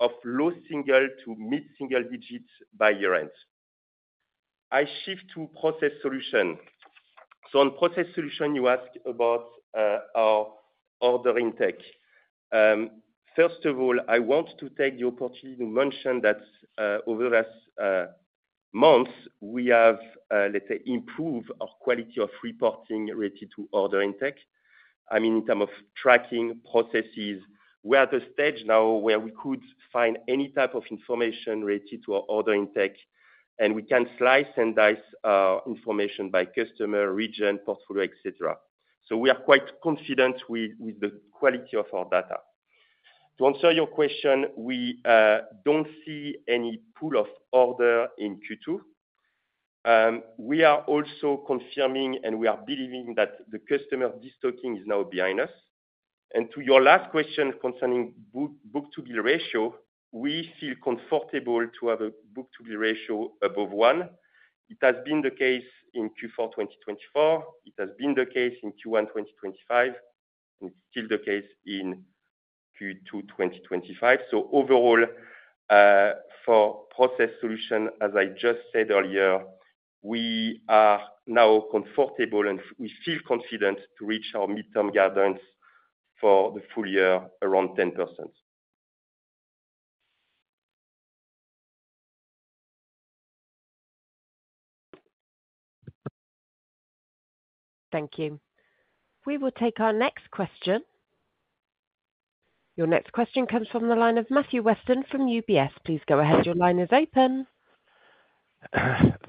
of low single to mid-single digits by year-end. I shift to Process Solutions. On Process Solutions, you asked about our order intake. First of all, I want to take the opportunity to mention that over the last months, we have, let's say, improved our quality of reporting related to order intake. I mean, in terms of tracking processes, we are at the stage now where we could find any type of information related to our order intake. We can slice and dice our information by customer, region, portfolio, etc. We are quite confident with the quality of our data. To answer your question, we don't see any pull of order in Q2. We are also confirming we are believing that the customer destocking is now behind us. To your last question concerning book-to-bill ratio, we feel comfortable to have a book-to-bill ratio above one. It has been the case in Q4 2024, it has been the case in Q1 2025, and it's still the case in Q2 2025. Overall, for Process Solutions, as I just said earlier, we are now comfortable and we feel confident to reach our mid-term guidance for the full year around 10%. Thank you. We will take our next question. Your next question comes from the line of Matthew Weston from UBS. Please go ahead. Your line is open.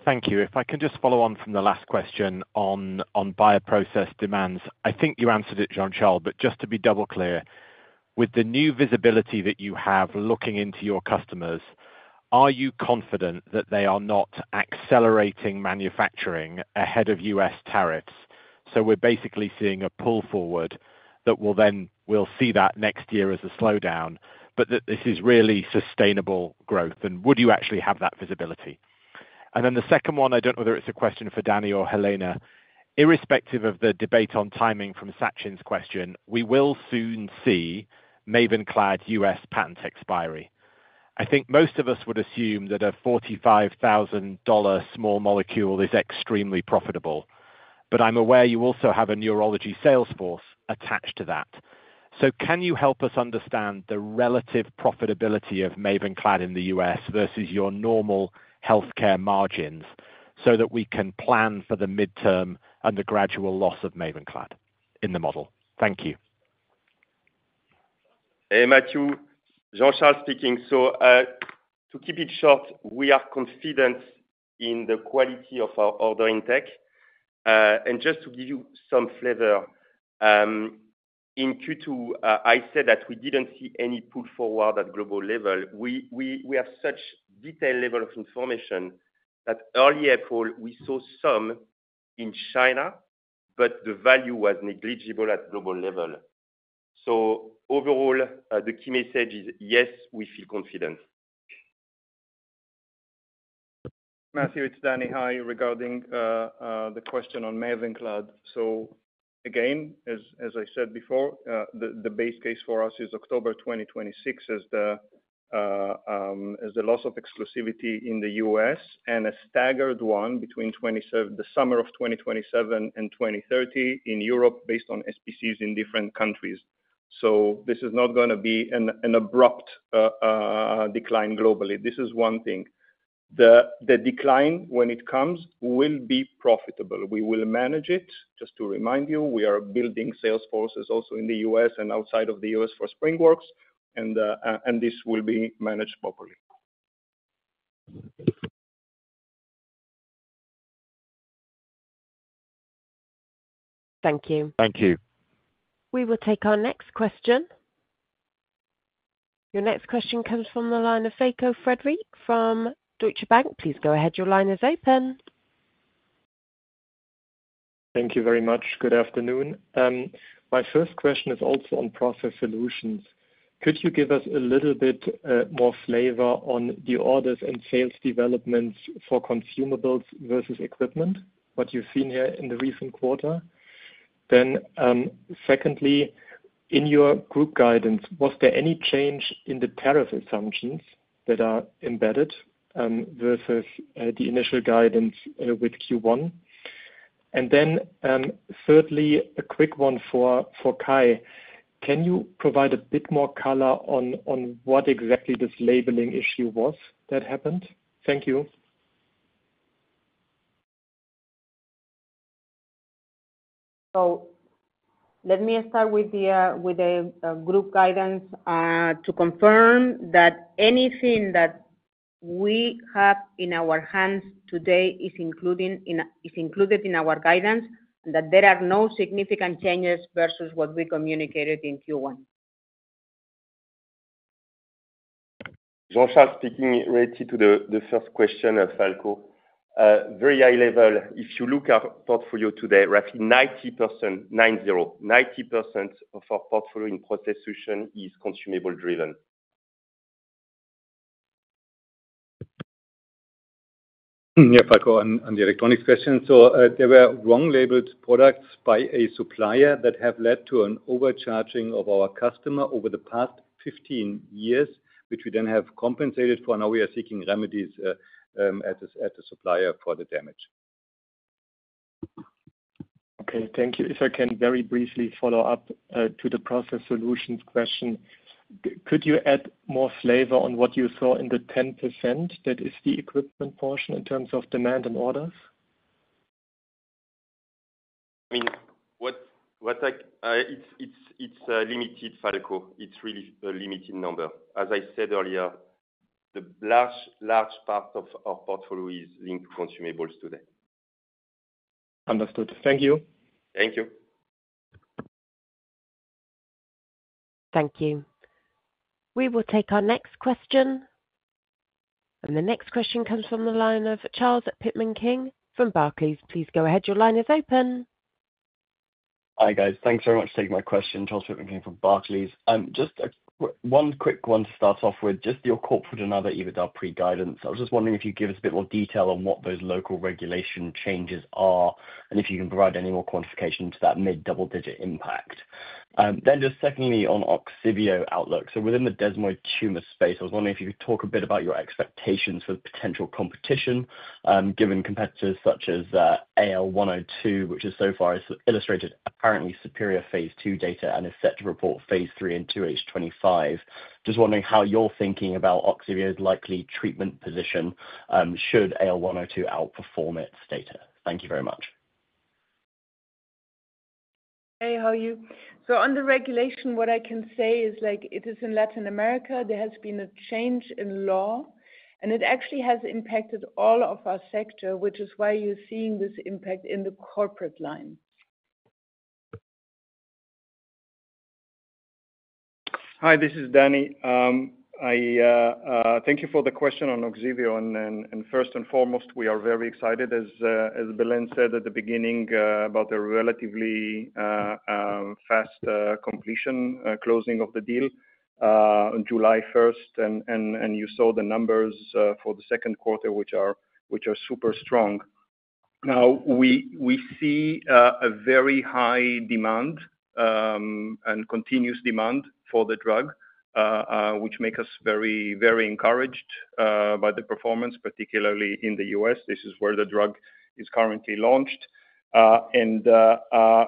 Thank you. If I can just follow on from the last question on bioprocess demands, I think you answered it, Jean-Charles, but just to be double clear, with the new visibility that you have looking into your customers, are you confident that they are not accelerating manufacturing ahead of U.S. tariffs? We're basically seeing a pull forward that will then we'll see that next year as a slowdown, that this is really sustainable growth. Would you actually have that visibility? The second one, I don't know whether it's a question for Danny or Helene. Irrespective of the debate on timing from Sachin's question, we will soon see MAVENCLAD U.S. patent expiry. I think most of us would assume that a $45,000 small molecule is extremely profitable. I'm aware you also have a neurology sales force attached to that. Can you help us understand the relative profitability of MAVENCLAD in the U.S. versus your normal Healthcare margins so that we can plan for the midterm and the gradual loss of MAVENCLAD in the model? Thank you. Hey, Matthew. Jean-Charles speaking. To keep it short, we are confident in the quality of our order intake. Just to give you some flavor, in Q2, I said that we didn't see any pull forward at the global level. We have such a detailed level of information that early April, we saw some in China, but the value was negligible at the global level. Overall, the key message is, yes, we feel confident. Matthew, it's Danny. Hi. Regarding the question on MAVENCLAD, as I said before, the base case for us is October 2026 as the loss of exclusivity in the U.S. and a staggered one between the summer of 2027 and 2030 in Europe based on SPCs in different countries. This is not going to be an abrupt decline globally. This is one thing. The decline when it comes will be profitable. We will manage it. Just to remind you, we are building sales forces also in the U.S. and outside of the U.S. for SpringWorks, and this will be managed properly. Thank you. Thank you. We will take our next question. Your next question comes from the line of Falko Friedrichs from Deutsche Bank. Please go ahead. Your line is open. Thank you very much. Good afternoon. My first question is also on Process Solutions. Could you give us a little bit more flavor on the orders and sales developments for consumables versus equipment, what you've seen here in the recent quarter? Secondly, in your group guidance, was there any change in the tariff assumptions that are embedded versus the initial guidance with Q1? Thirdly, a quick one for Kai. Can you provide a bit more color on what exactly this labeling issue was that happened? Thank you. Let me start with the group guidance to confirm that anything that we have in our hands today is included in our guidance and that there are no significant changes versus what we communicated in Q1. Related to the first question of Falko. Very high level, if you look at our portfolio today, roughly 90%, nine-zero, 90% of our portfolio in Process Solutions is consumable-driven. Yeah, Falko on the Electronics question. There were wrong-labeled products by a supplier that have led to an overcharging of our customer over the past 15 years, which we then have compensated for. We are seeking remedies at the supplier for the damage. Okay. Thank you. If I can very briefly follow up to the Process Solutions question, could you add more flavor on what you saw in the 10% that is the equipment portion in terms of demand and orders? I mean, it's limited, Falko. It's really a limited number. As I said earlier, the large, large part of our portfolio is linked to consumables today. Understood. Thank you. Thank you. Thank you. We will take our next question. The next question comes from the line of Charles Pitman-King from Barclays. Please go ahead. Your line is open. Hi, guys. Thanks very much for taking my question, Charles Pittman King from Barclays. Just one quick one to start off with. Just your corporate and other EBITDA pre guidance. I was just wondering if you could give us a bit more detail on what those local regulation changes are and if you can provide any more quantification to that mid-double-digit impact. Just secondly on Ogsiveo outlook. Within the desmoid tumor space, I was wondering if you could talk a bit about your expectations for the potential competition, given competitors such as AL102, which has so far illustrated apparently superior phase two data and is set to report phase three in 2H2025. Just wondering how you're thinking about Ogsiveo's likely treatment position should AL102 outperform its data. Thank you very much. Hey, how are you? On the regulation, what I can say is it is in Latin America, there has been a change in law, and it actually has impacted all of our sector, which is why you're seeing this impact in the corporate line. Hi, this is Danny. Thank you for the question on Ogsiveo. First and foremost, we are very excited, as Belén said at the beginning, about the relatively fast completion closing of the deal on July 1. You saw the numbers for the second quarter, which are super strong. We see a very high demand and continuous demand for the drug, which makes us very, very encouraged by the performance, particularly in the U.S. This is where the drug is currently launched.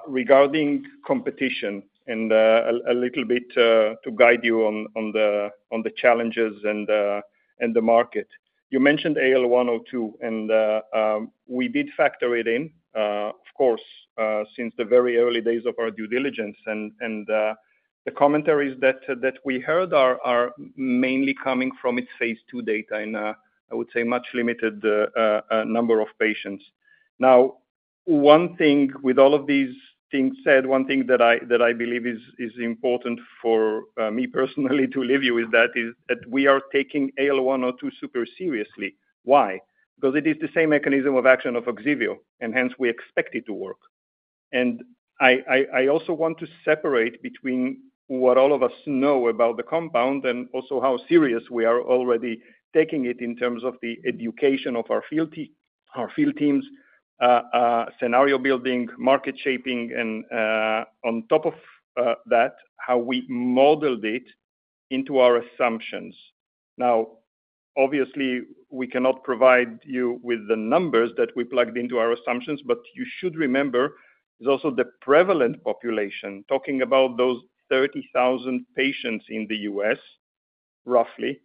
Regarding competition and a little bit to guide you on the challenges and the market, you mentioned AL102, and we did factor it in, of course, since the very early days of our due diligence. The commentaries that we heard are mainly coming from its phase 2 data, and I would say a much limited number of patients. One thing with all of these things said, one thing that I believe is important for me personally to leave you with is that we are taking AL102 super seriously. Why? Because it is the same mechanism of action of Ogsiveo, and hence we expect it to work. I also want to separate between what all of us know about the compound and also how serious we are already taking it in terms of the education of our field teams, our field teams, scenario building, market shaping, and on top of that, how we modeled it into our assumptions. Obviously, we cannot provide you with the numbers that we plugged into our assumptions, but you should remember there's also the prevalent population, talking about those 30,000 patients in the U.S., roughly,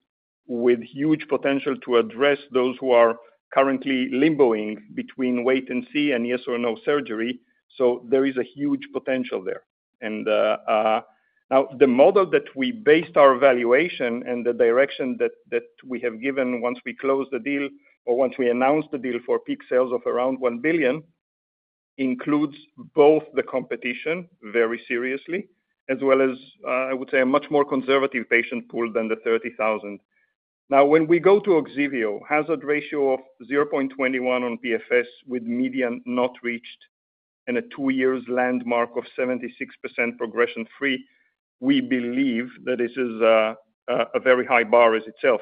with huge potential to address those who are currently limboing between wait and see and yes or no surgery. There is a huge potential there. The model that we based our valuation and the direction that we have given once we closed the deal or once we announced the deal for peak sales of around $1 billion includes both the competition very seriously, as well as, I would say, a much more conservative patient pool than the 30,000. When we go to Ogsiveo, hazard ratio of 0.21 on PFS with median not reached and a two-year landmark of 76% progression-free, we believe that this is a very high bar as itself.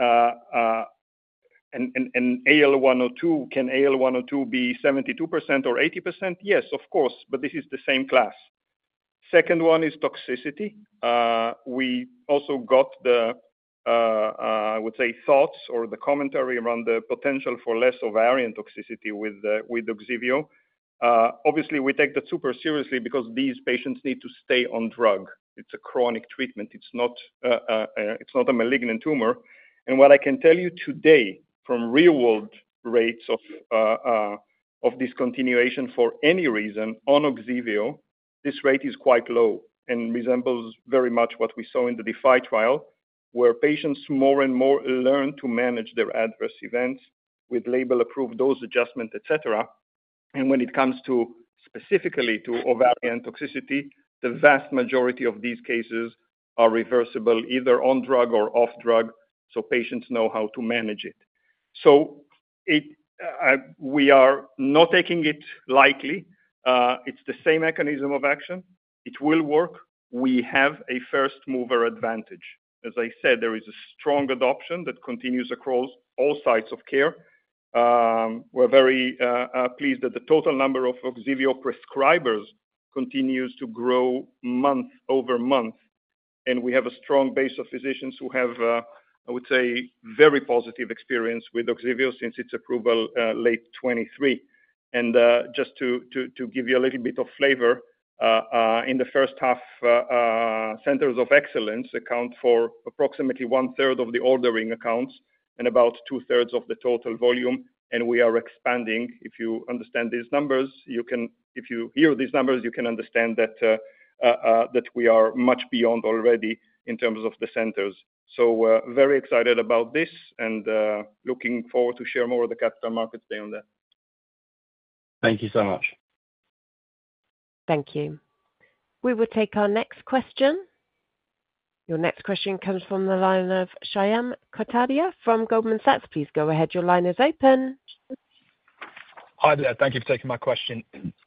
AL102, can AL102 be 72% or 80%? Yes, of course, but this is the same class. Second one is toxicity. We also got the, I would say, thoughts or the commentary around the potential for less ovarian toxicity with Ogsiveo. Obviously, we take that super seriously because these patients need to stay on drug. It's a chronic treatment. It's not a malignant tumor. What I can tell you today from real-world rates of discontinuation for any reason on Ogsiveo, this rate is quite low and resembles very much what we saw in the DEPHY trial, where patients more and more learn to manage their adverse events with label-approved dose adjustment, etc. When it comes specifically to ovarian toxicity, the vast majority of these cases are reversible either on drug or off drug, so patients know how to manage it. We are not taking it lightly. It's the same mechanism of action. It will work. We have a first-mover advantage. There is a strong adoption that continues across all sites of care. We're very pleased that the total number of Ogsiveo prescribers continues to grow month over month. We have a strong base of physicians who have, I would say, very positive experience with Ogsiveo since its approval late 2023. Just to give you a little bit of flavor, in the first half, centers of excellence account for approximately one-third of the ordering accounts and about two-thirds of the total volume. We are expanding. If you understand these numbers, if you hear these numbers, you can understand that we are much beyond already in terms of the centers. Very excited about this and looking forward to share more of the capital market today on that. Thank you so much. Thank you. We will take our next question. Your next question comes from the line of Shyam Kapadia from Goldman Sachs. Please go ahead. Your line is open. Hi, there. Thank you for taking my question.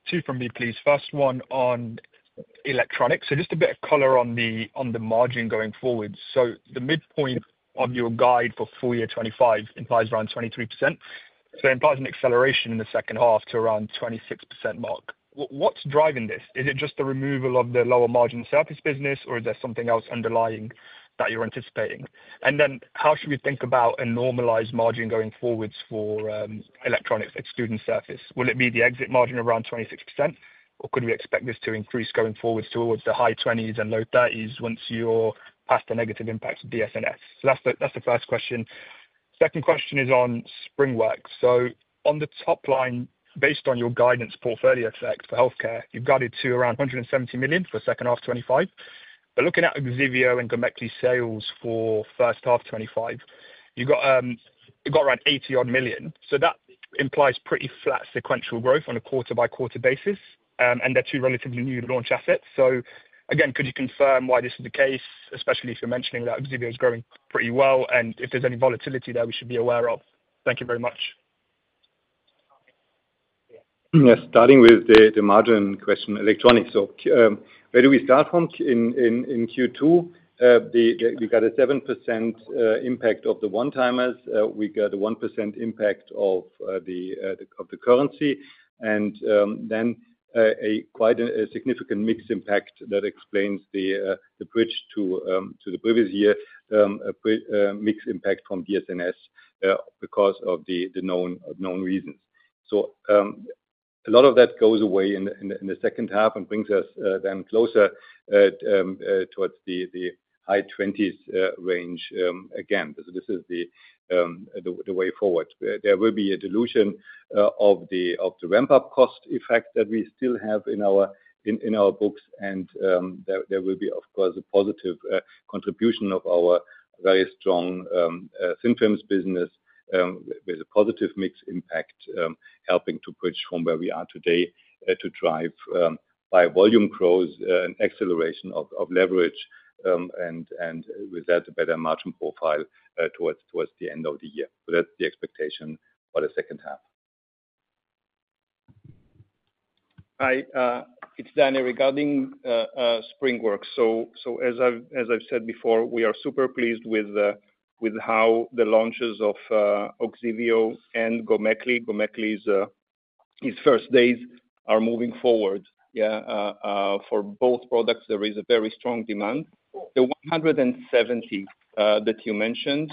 Two from me, please. First one on Electronics. Just a bit of color on the margin going forward. The midpoint on your guide for full year 2025 implies around 23%. It implies an acceleration in the second half to around the 26% mark. What's driving this? Is it just the removal of the lower margin Surface business, or is there something else underlying that you're anticipating? How should we think about a normalized margin going forwards for Electronics at student surface? Will it be the exit margin around 26%, or could we expect this to increase going forwards toward the high 20s and low 30s once you're past the negative impact of DS&S? That's the first question. Second question is on SpringWorks. On the top line, based on your guidance portfolio effect for Healthcare, you've guided to around 170 million for the second half of 2025. Looking at Ogsiveo and Gomekli sales for the first half of 2025, you've got around 80 million. That implies pretty flat sequential growth on a quarter-by-quarter basis. They're two relatively new launch assets. Could you confirm why this is the case, especially if you're mentioning that Ogsiveo is growing pretty well and if there's any volatility there we should be aware of? Thank you very much. Yeah, starting with the margin question, Electronics. Where do we start from? In Q2, we got a 7% impact of the one-timers. We got a 1% impact of the currency, and then a quite significant mixed impact that explains the bridge to the previous year, mixed impact from DS&S because of the known reason. A lot of that goes away in the second half and brings us then closer towards the high 20% range again. This is the way forward. There will be a dilution of the ramp-up cost effect that we still have in our books, and there will be, of course, a positive contribution of our very strong Synfirms business with a positive mixed impact, helping to bridge from where we are today to drive by volume growth and acceleration of leverage, and with that a better margin profile towards the end of the year. That's the expectation for the second half. Hi. It's Danny regarding SpringWorks. As I've said before, we are super pleased with how the launches of Ogsiveo and Gomekli, Gomekli's first days, are moving forward. For both products, there is a very strong demand. The 170 that you mentioned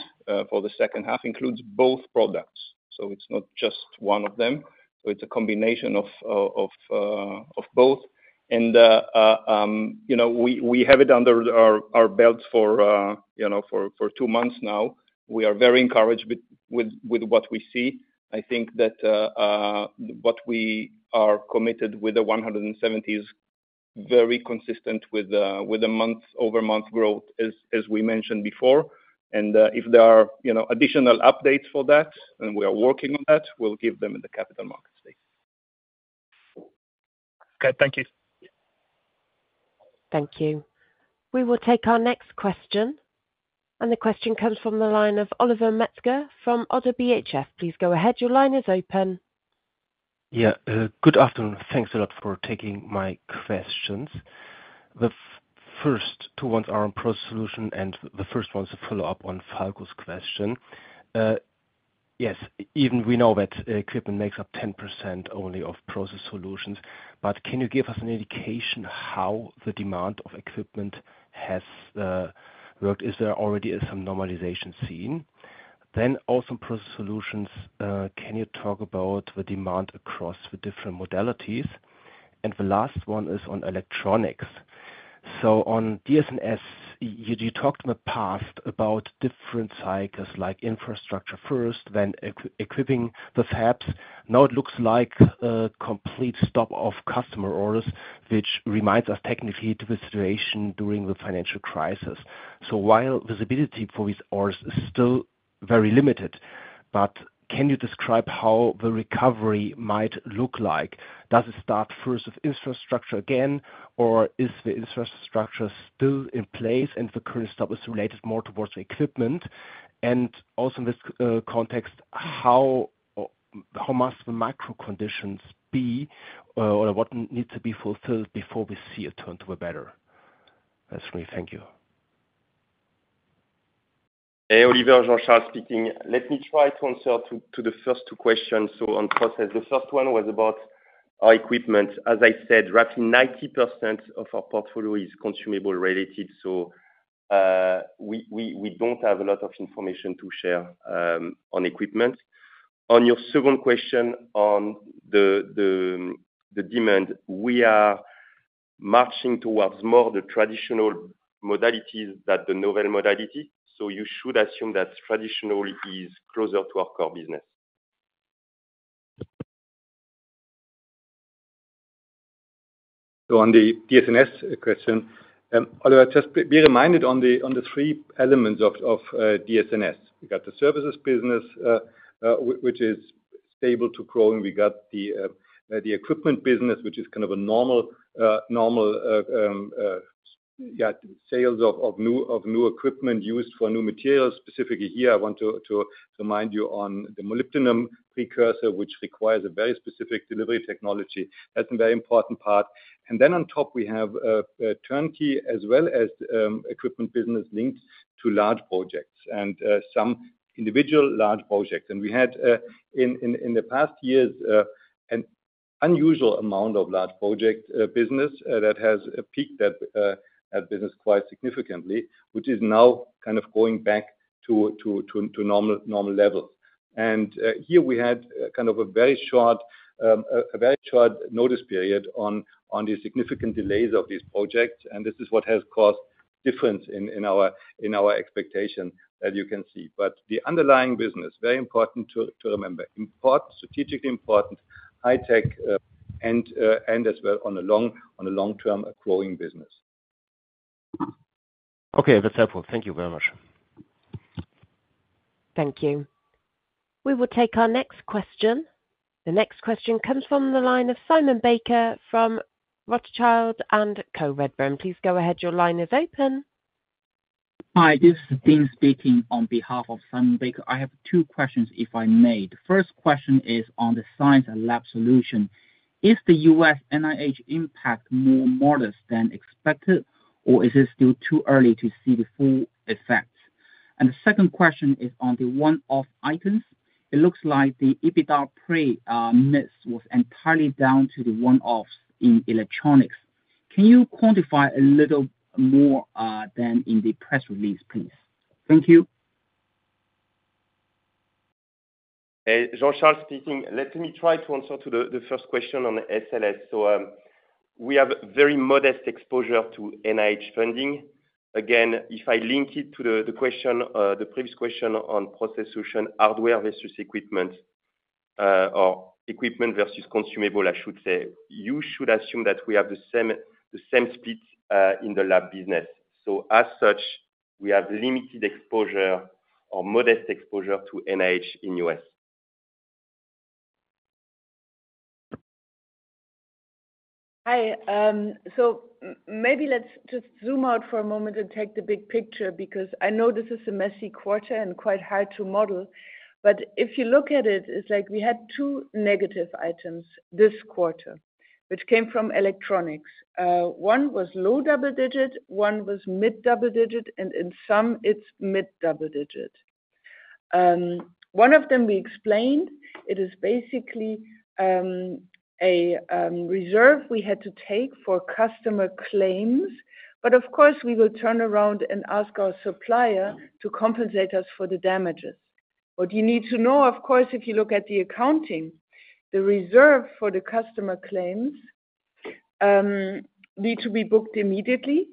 for the second half includes both products. It's not just one of them. It's a combination of both. We have it under our belts for two months now. We are very encouraged with what we see. I think that what we are committed with the 170 is very consistent with the month-over-month growth, as we mentioned before. If there are additional updates for that, and we are working on that, we'll give them in the capital market today. Okay, thank you. Thank you. We will take our next question. The question comes from the line of Oliver Metzger from ODDO BHF. Please go ahead. Your line is open. Yeah. Good afternoon. Thanks a lot for taking my questions. The first two ones are on Process Solutions, and the first one is a follow-up on Falco's question. Yes, even we know that equipment makes up 10% only of Process Solutions. Can you give us an indication how the demand of equipment has worked? Is there already some normalization seen? Also on Process Solutions, can you talk about the demand across the different modalities? The last one is on Electronics. On DS&S, you talked in the past about different cycles, like infrastructure first, then equipping the fabs. Now it looks like a complete stop of customer orders, which reminds us technically of the situation during the financial crisis. While visibility for these orders is still very limited, can you describe how the recovery might look like? Does it start first with infrastructure again, or is the infrastructure still in place and the current stop is related more towards equipment? Also in this context, how must the micro-conditions be or what needs to be fulfilled before we see a turn to a better? That's for me. Thank you. Hey, Oliver, Jean-Charles speaking. Let me try to answer the first two questions. On Process, the first one was about our equipment. As I said, roughly 90% of our portfolio is consumable-related. We don't have a lot of information to share on equipment. On your second question on the demand, we are marching towards more the traditional modalities than the novel modality. You should assume that traditional is closer to our core business. On the DS&S question, Oliver, just be reminded on the three elements of DS&S. We got the services business, which is stable to growing. We got the equipment business, which is kind of a normal, yeah, sales of new equipment used for new materials. Specifically here, I want to remind you on the molybdenum precursor, which requires a very specific delivery technology. That's a very important part. On top, we have turnkey as well as equipment business linked to large projects and some individual large projects. We had in the past years an unusual amount of large project business that has peaked that business quite significantly, which is now kind of going back to normal level. Here we had kind of a very short notice period on the significant delays of these projects. This is what has caused difference in our expectation that you can see. The underlying business, very important to remember, important, strategically important, high-tech, and as well on a long-term growing business. Okay, that's helpful. Thank you very much. Thank you. We will take our next question. The next question comes from the line of Simon Baker from Rothschild & Co Redburn. Please go ahead, your line is open. Hi, this is Dean speaking on behalf of Simon Baker. I have two questions, if I may. The first question is on the Science and Lab Solutions. Is the U.S. NIH impact more modest than expected, or is it still too early to see the full effects? The second question is on the one-off items. It looks like the EBITDA pre was entirely down to the one-offs in Electronics. Can you quantify a little more than in the press release, please? Thank you. Hey, Jean-Charles speaking. Let me try to answer the first question on the SLS. We have very modest exposure to NIH funding. If I link it to the previous question on Process Solutions hardware versus equipment, or equipment versus consumable, I should say, you should assume that we have the same split in the lab business. As such, we have limited or modest exposure to NIH in the U.S. Hi. Maybe let's just zoom out for a moment and take the big picture, because I know this is a messy quarter and quite hard to model. If you look at it, it's like we had two negative items this quarter, which came from Electronics. One was low double digit, one was mid double digit, and in sum, it's mid double digit. One of them we explained, it is basically a reserve we had to take for customer claims. Of course, we will turn around and ask our supplier to compensate us for the damages. What you need to know, if you look at the accounting, the reserve for the customer claims needs to be booked immediately,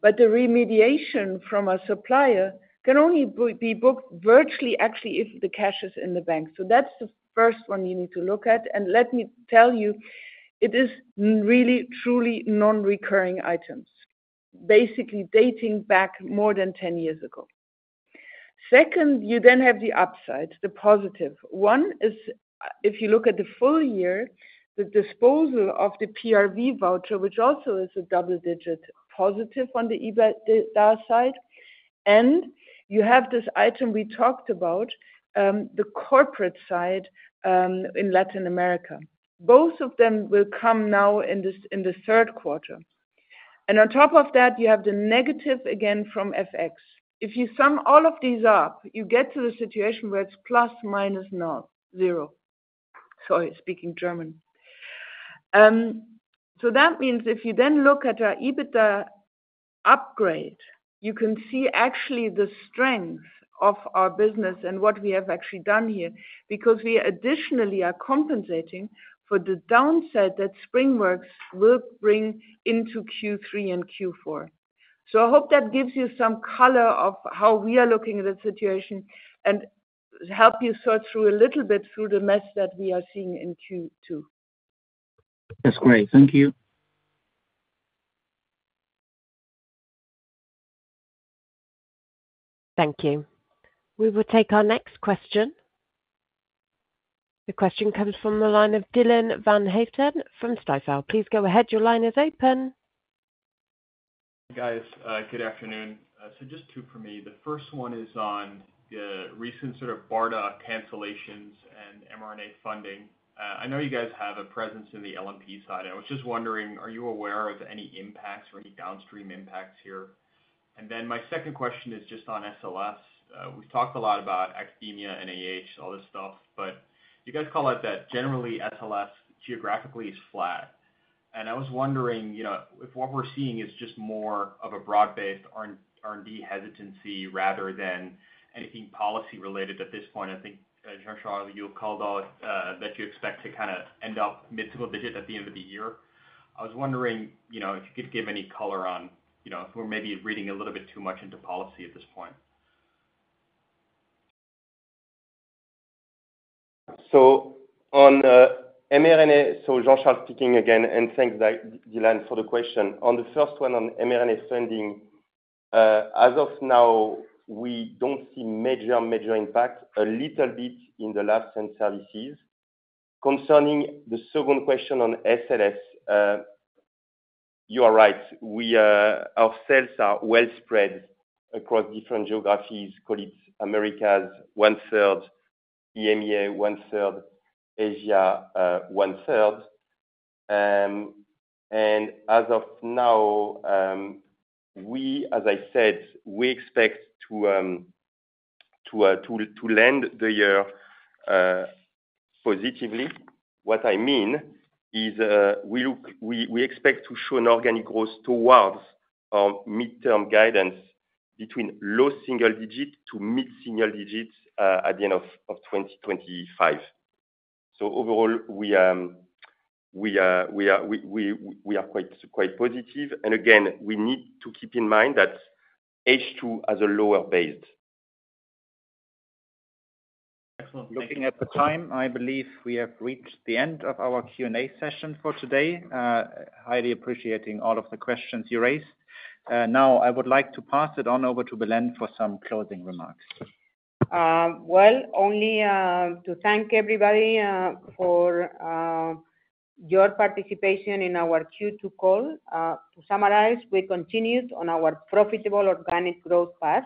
but the remediation from our supplier can only be booked virtually, actually, if the cash is in the bank. That's the first one you need to look at. Let me tell you, it is really, truly non-recurring items, basically, dating back more than 10 years ago. Second, you then have the upside, the positive. One is, if you look at the full year, the disposal of the PRV voucher, which also is a double digit positive on the EBITDA side. You have this item we talked about, the corporate side in Latin America. Both of them will come now in the third quarter. On top of that, you have the negative again from FX. If you sum all of these up, you get to the situation where it's plus minus null, zero. Sorry, speaking German. That means if you then look at our EBITDA upgrade, you can see actually the strength of our business and what we have actually done here, because we additionally are compensating for the downside that SpringWorks will bring into Q3 and Q4. I hope that gives you some color of how we are looking at the situation and helps you sort through a little bit through the mess that we are seeing in Q2. That's great. Thank you. Thank you. We will take our next question. The question comes from the line of Dylan van Haaften from Stifel. Please go ahead, your line is open. Good afternoon. Just two for me. The first one is on the recent BARDA cancellations and mRNA funding. I know you have a presence in the LNP side, and I was just wondering, are you aware of any impacts or any downstream impacts here? My second question is just on SLS. We've talked a lot about academia, NIH, all this stuff, but you call out that generally SLS geographically is flat. I was wondering if what we're seeing is just more of a broad-based R&D hesitancy rather than anything policy related at this point. I think, Jean-Charles, you called out that you expect to end up mid to low digit at the end of the year. I was wondering if you could give any color on if we're maybe reading a little bit too much into policy at this point. On mRNA, Jean-Charles speaking again, and thanks, Dylan, for the question. On the first one on mRNA funding, as of now, we don't see major, major impact, a little bit in the labs and services. Concerning the second question on SLS, you are right. We ourselves are well spread across different geographies, call it Americas one third, EMEA one third, Asia one third. As of now, we, as I said, expect to land the year positively. What I mean is we expect to show organic growth towards our midterm guidance between low single digit to mid single digits at the end of 2025. Overall, we are quite positive. We need to keep in mind that H2 has a lower base. Excellent. Looking at the time, I believe we have reached the end of our Q&A session for today. Highly appreciating all of the questions you raised. Now, I would like to pass it on over to Belén for some closing remarks. Thank you, everybody, for your participation in our Q2 call. To summarize, we continued on our profitable organic growth path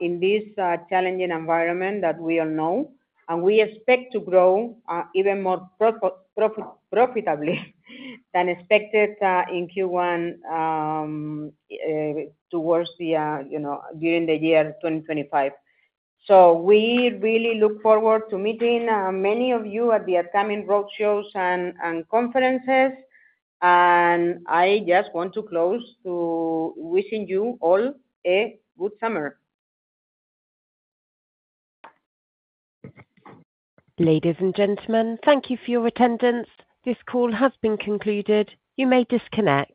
in this challenging environment that we all know. We expect to grow even more profitably than expected in Q1 during the year 2025. We really look forward to meeting many of you at the upcoming roadshows and conferences. I just want to close by wishing you all a good summer. Ladies and gentlemen, thank you for your attendance. This call has been concluded. You may disconnect.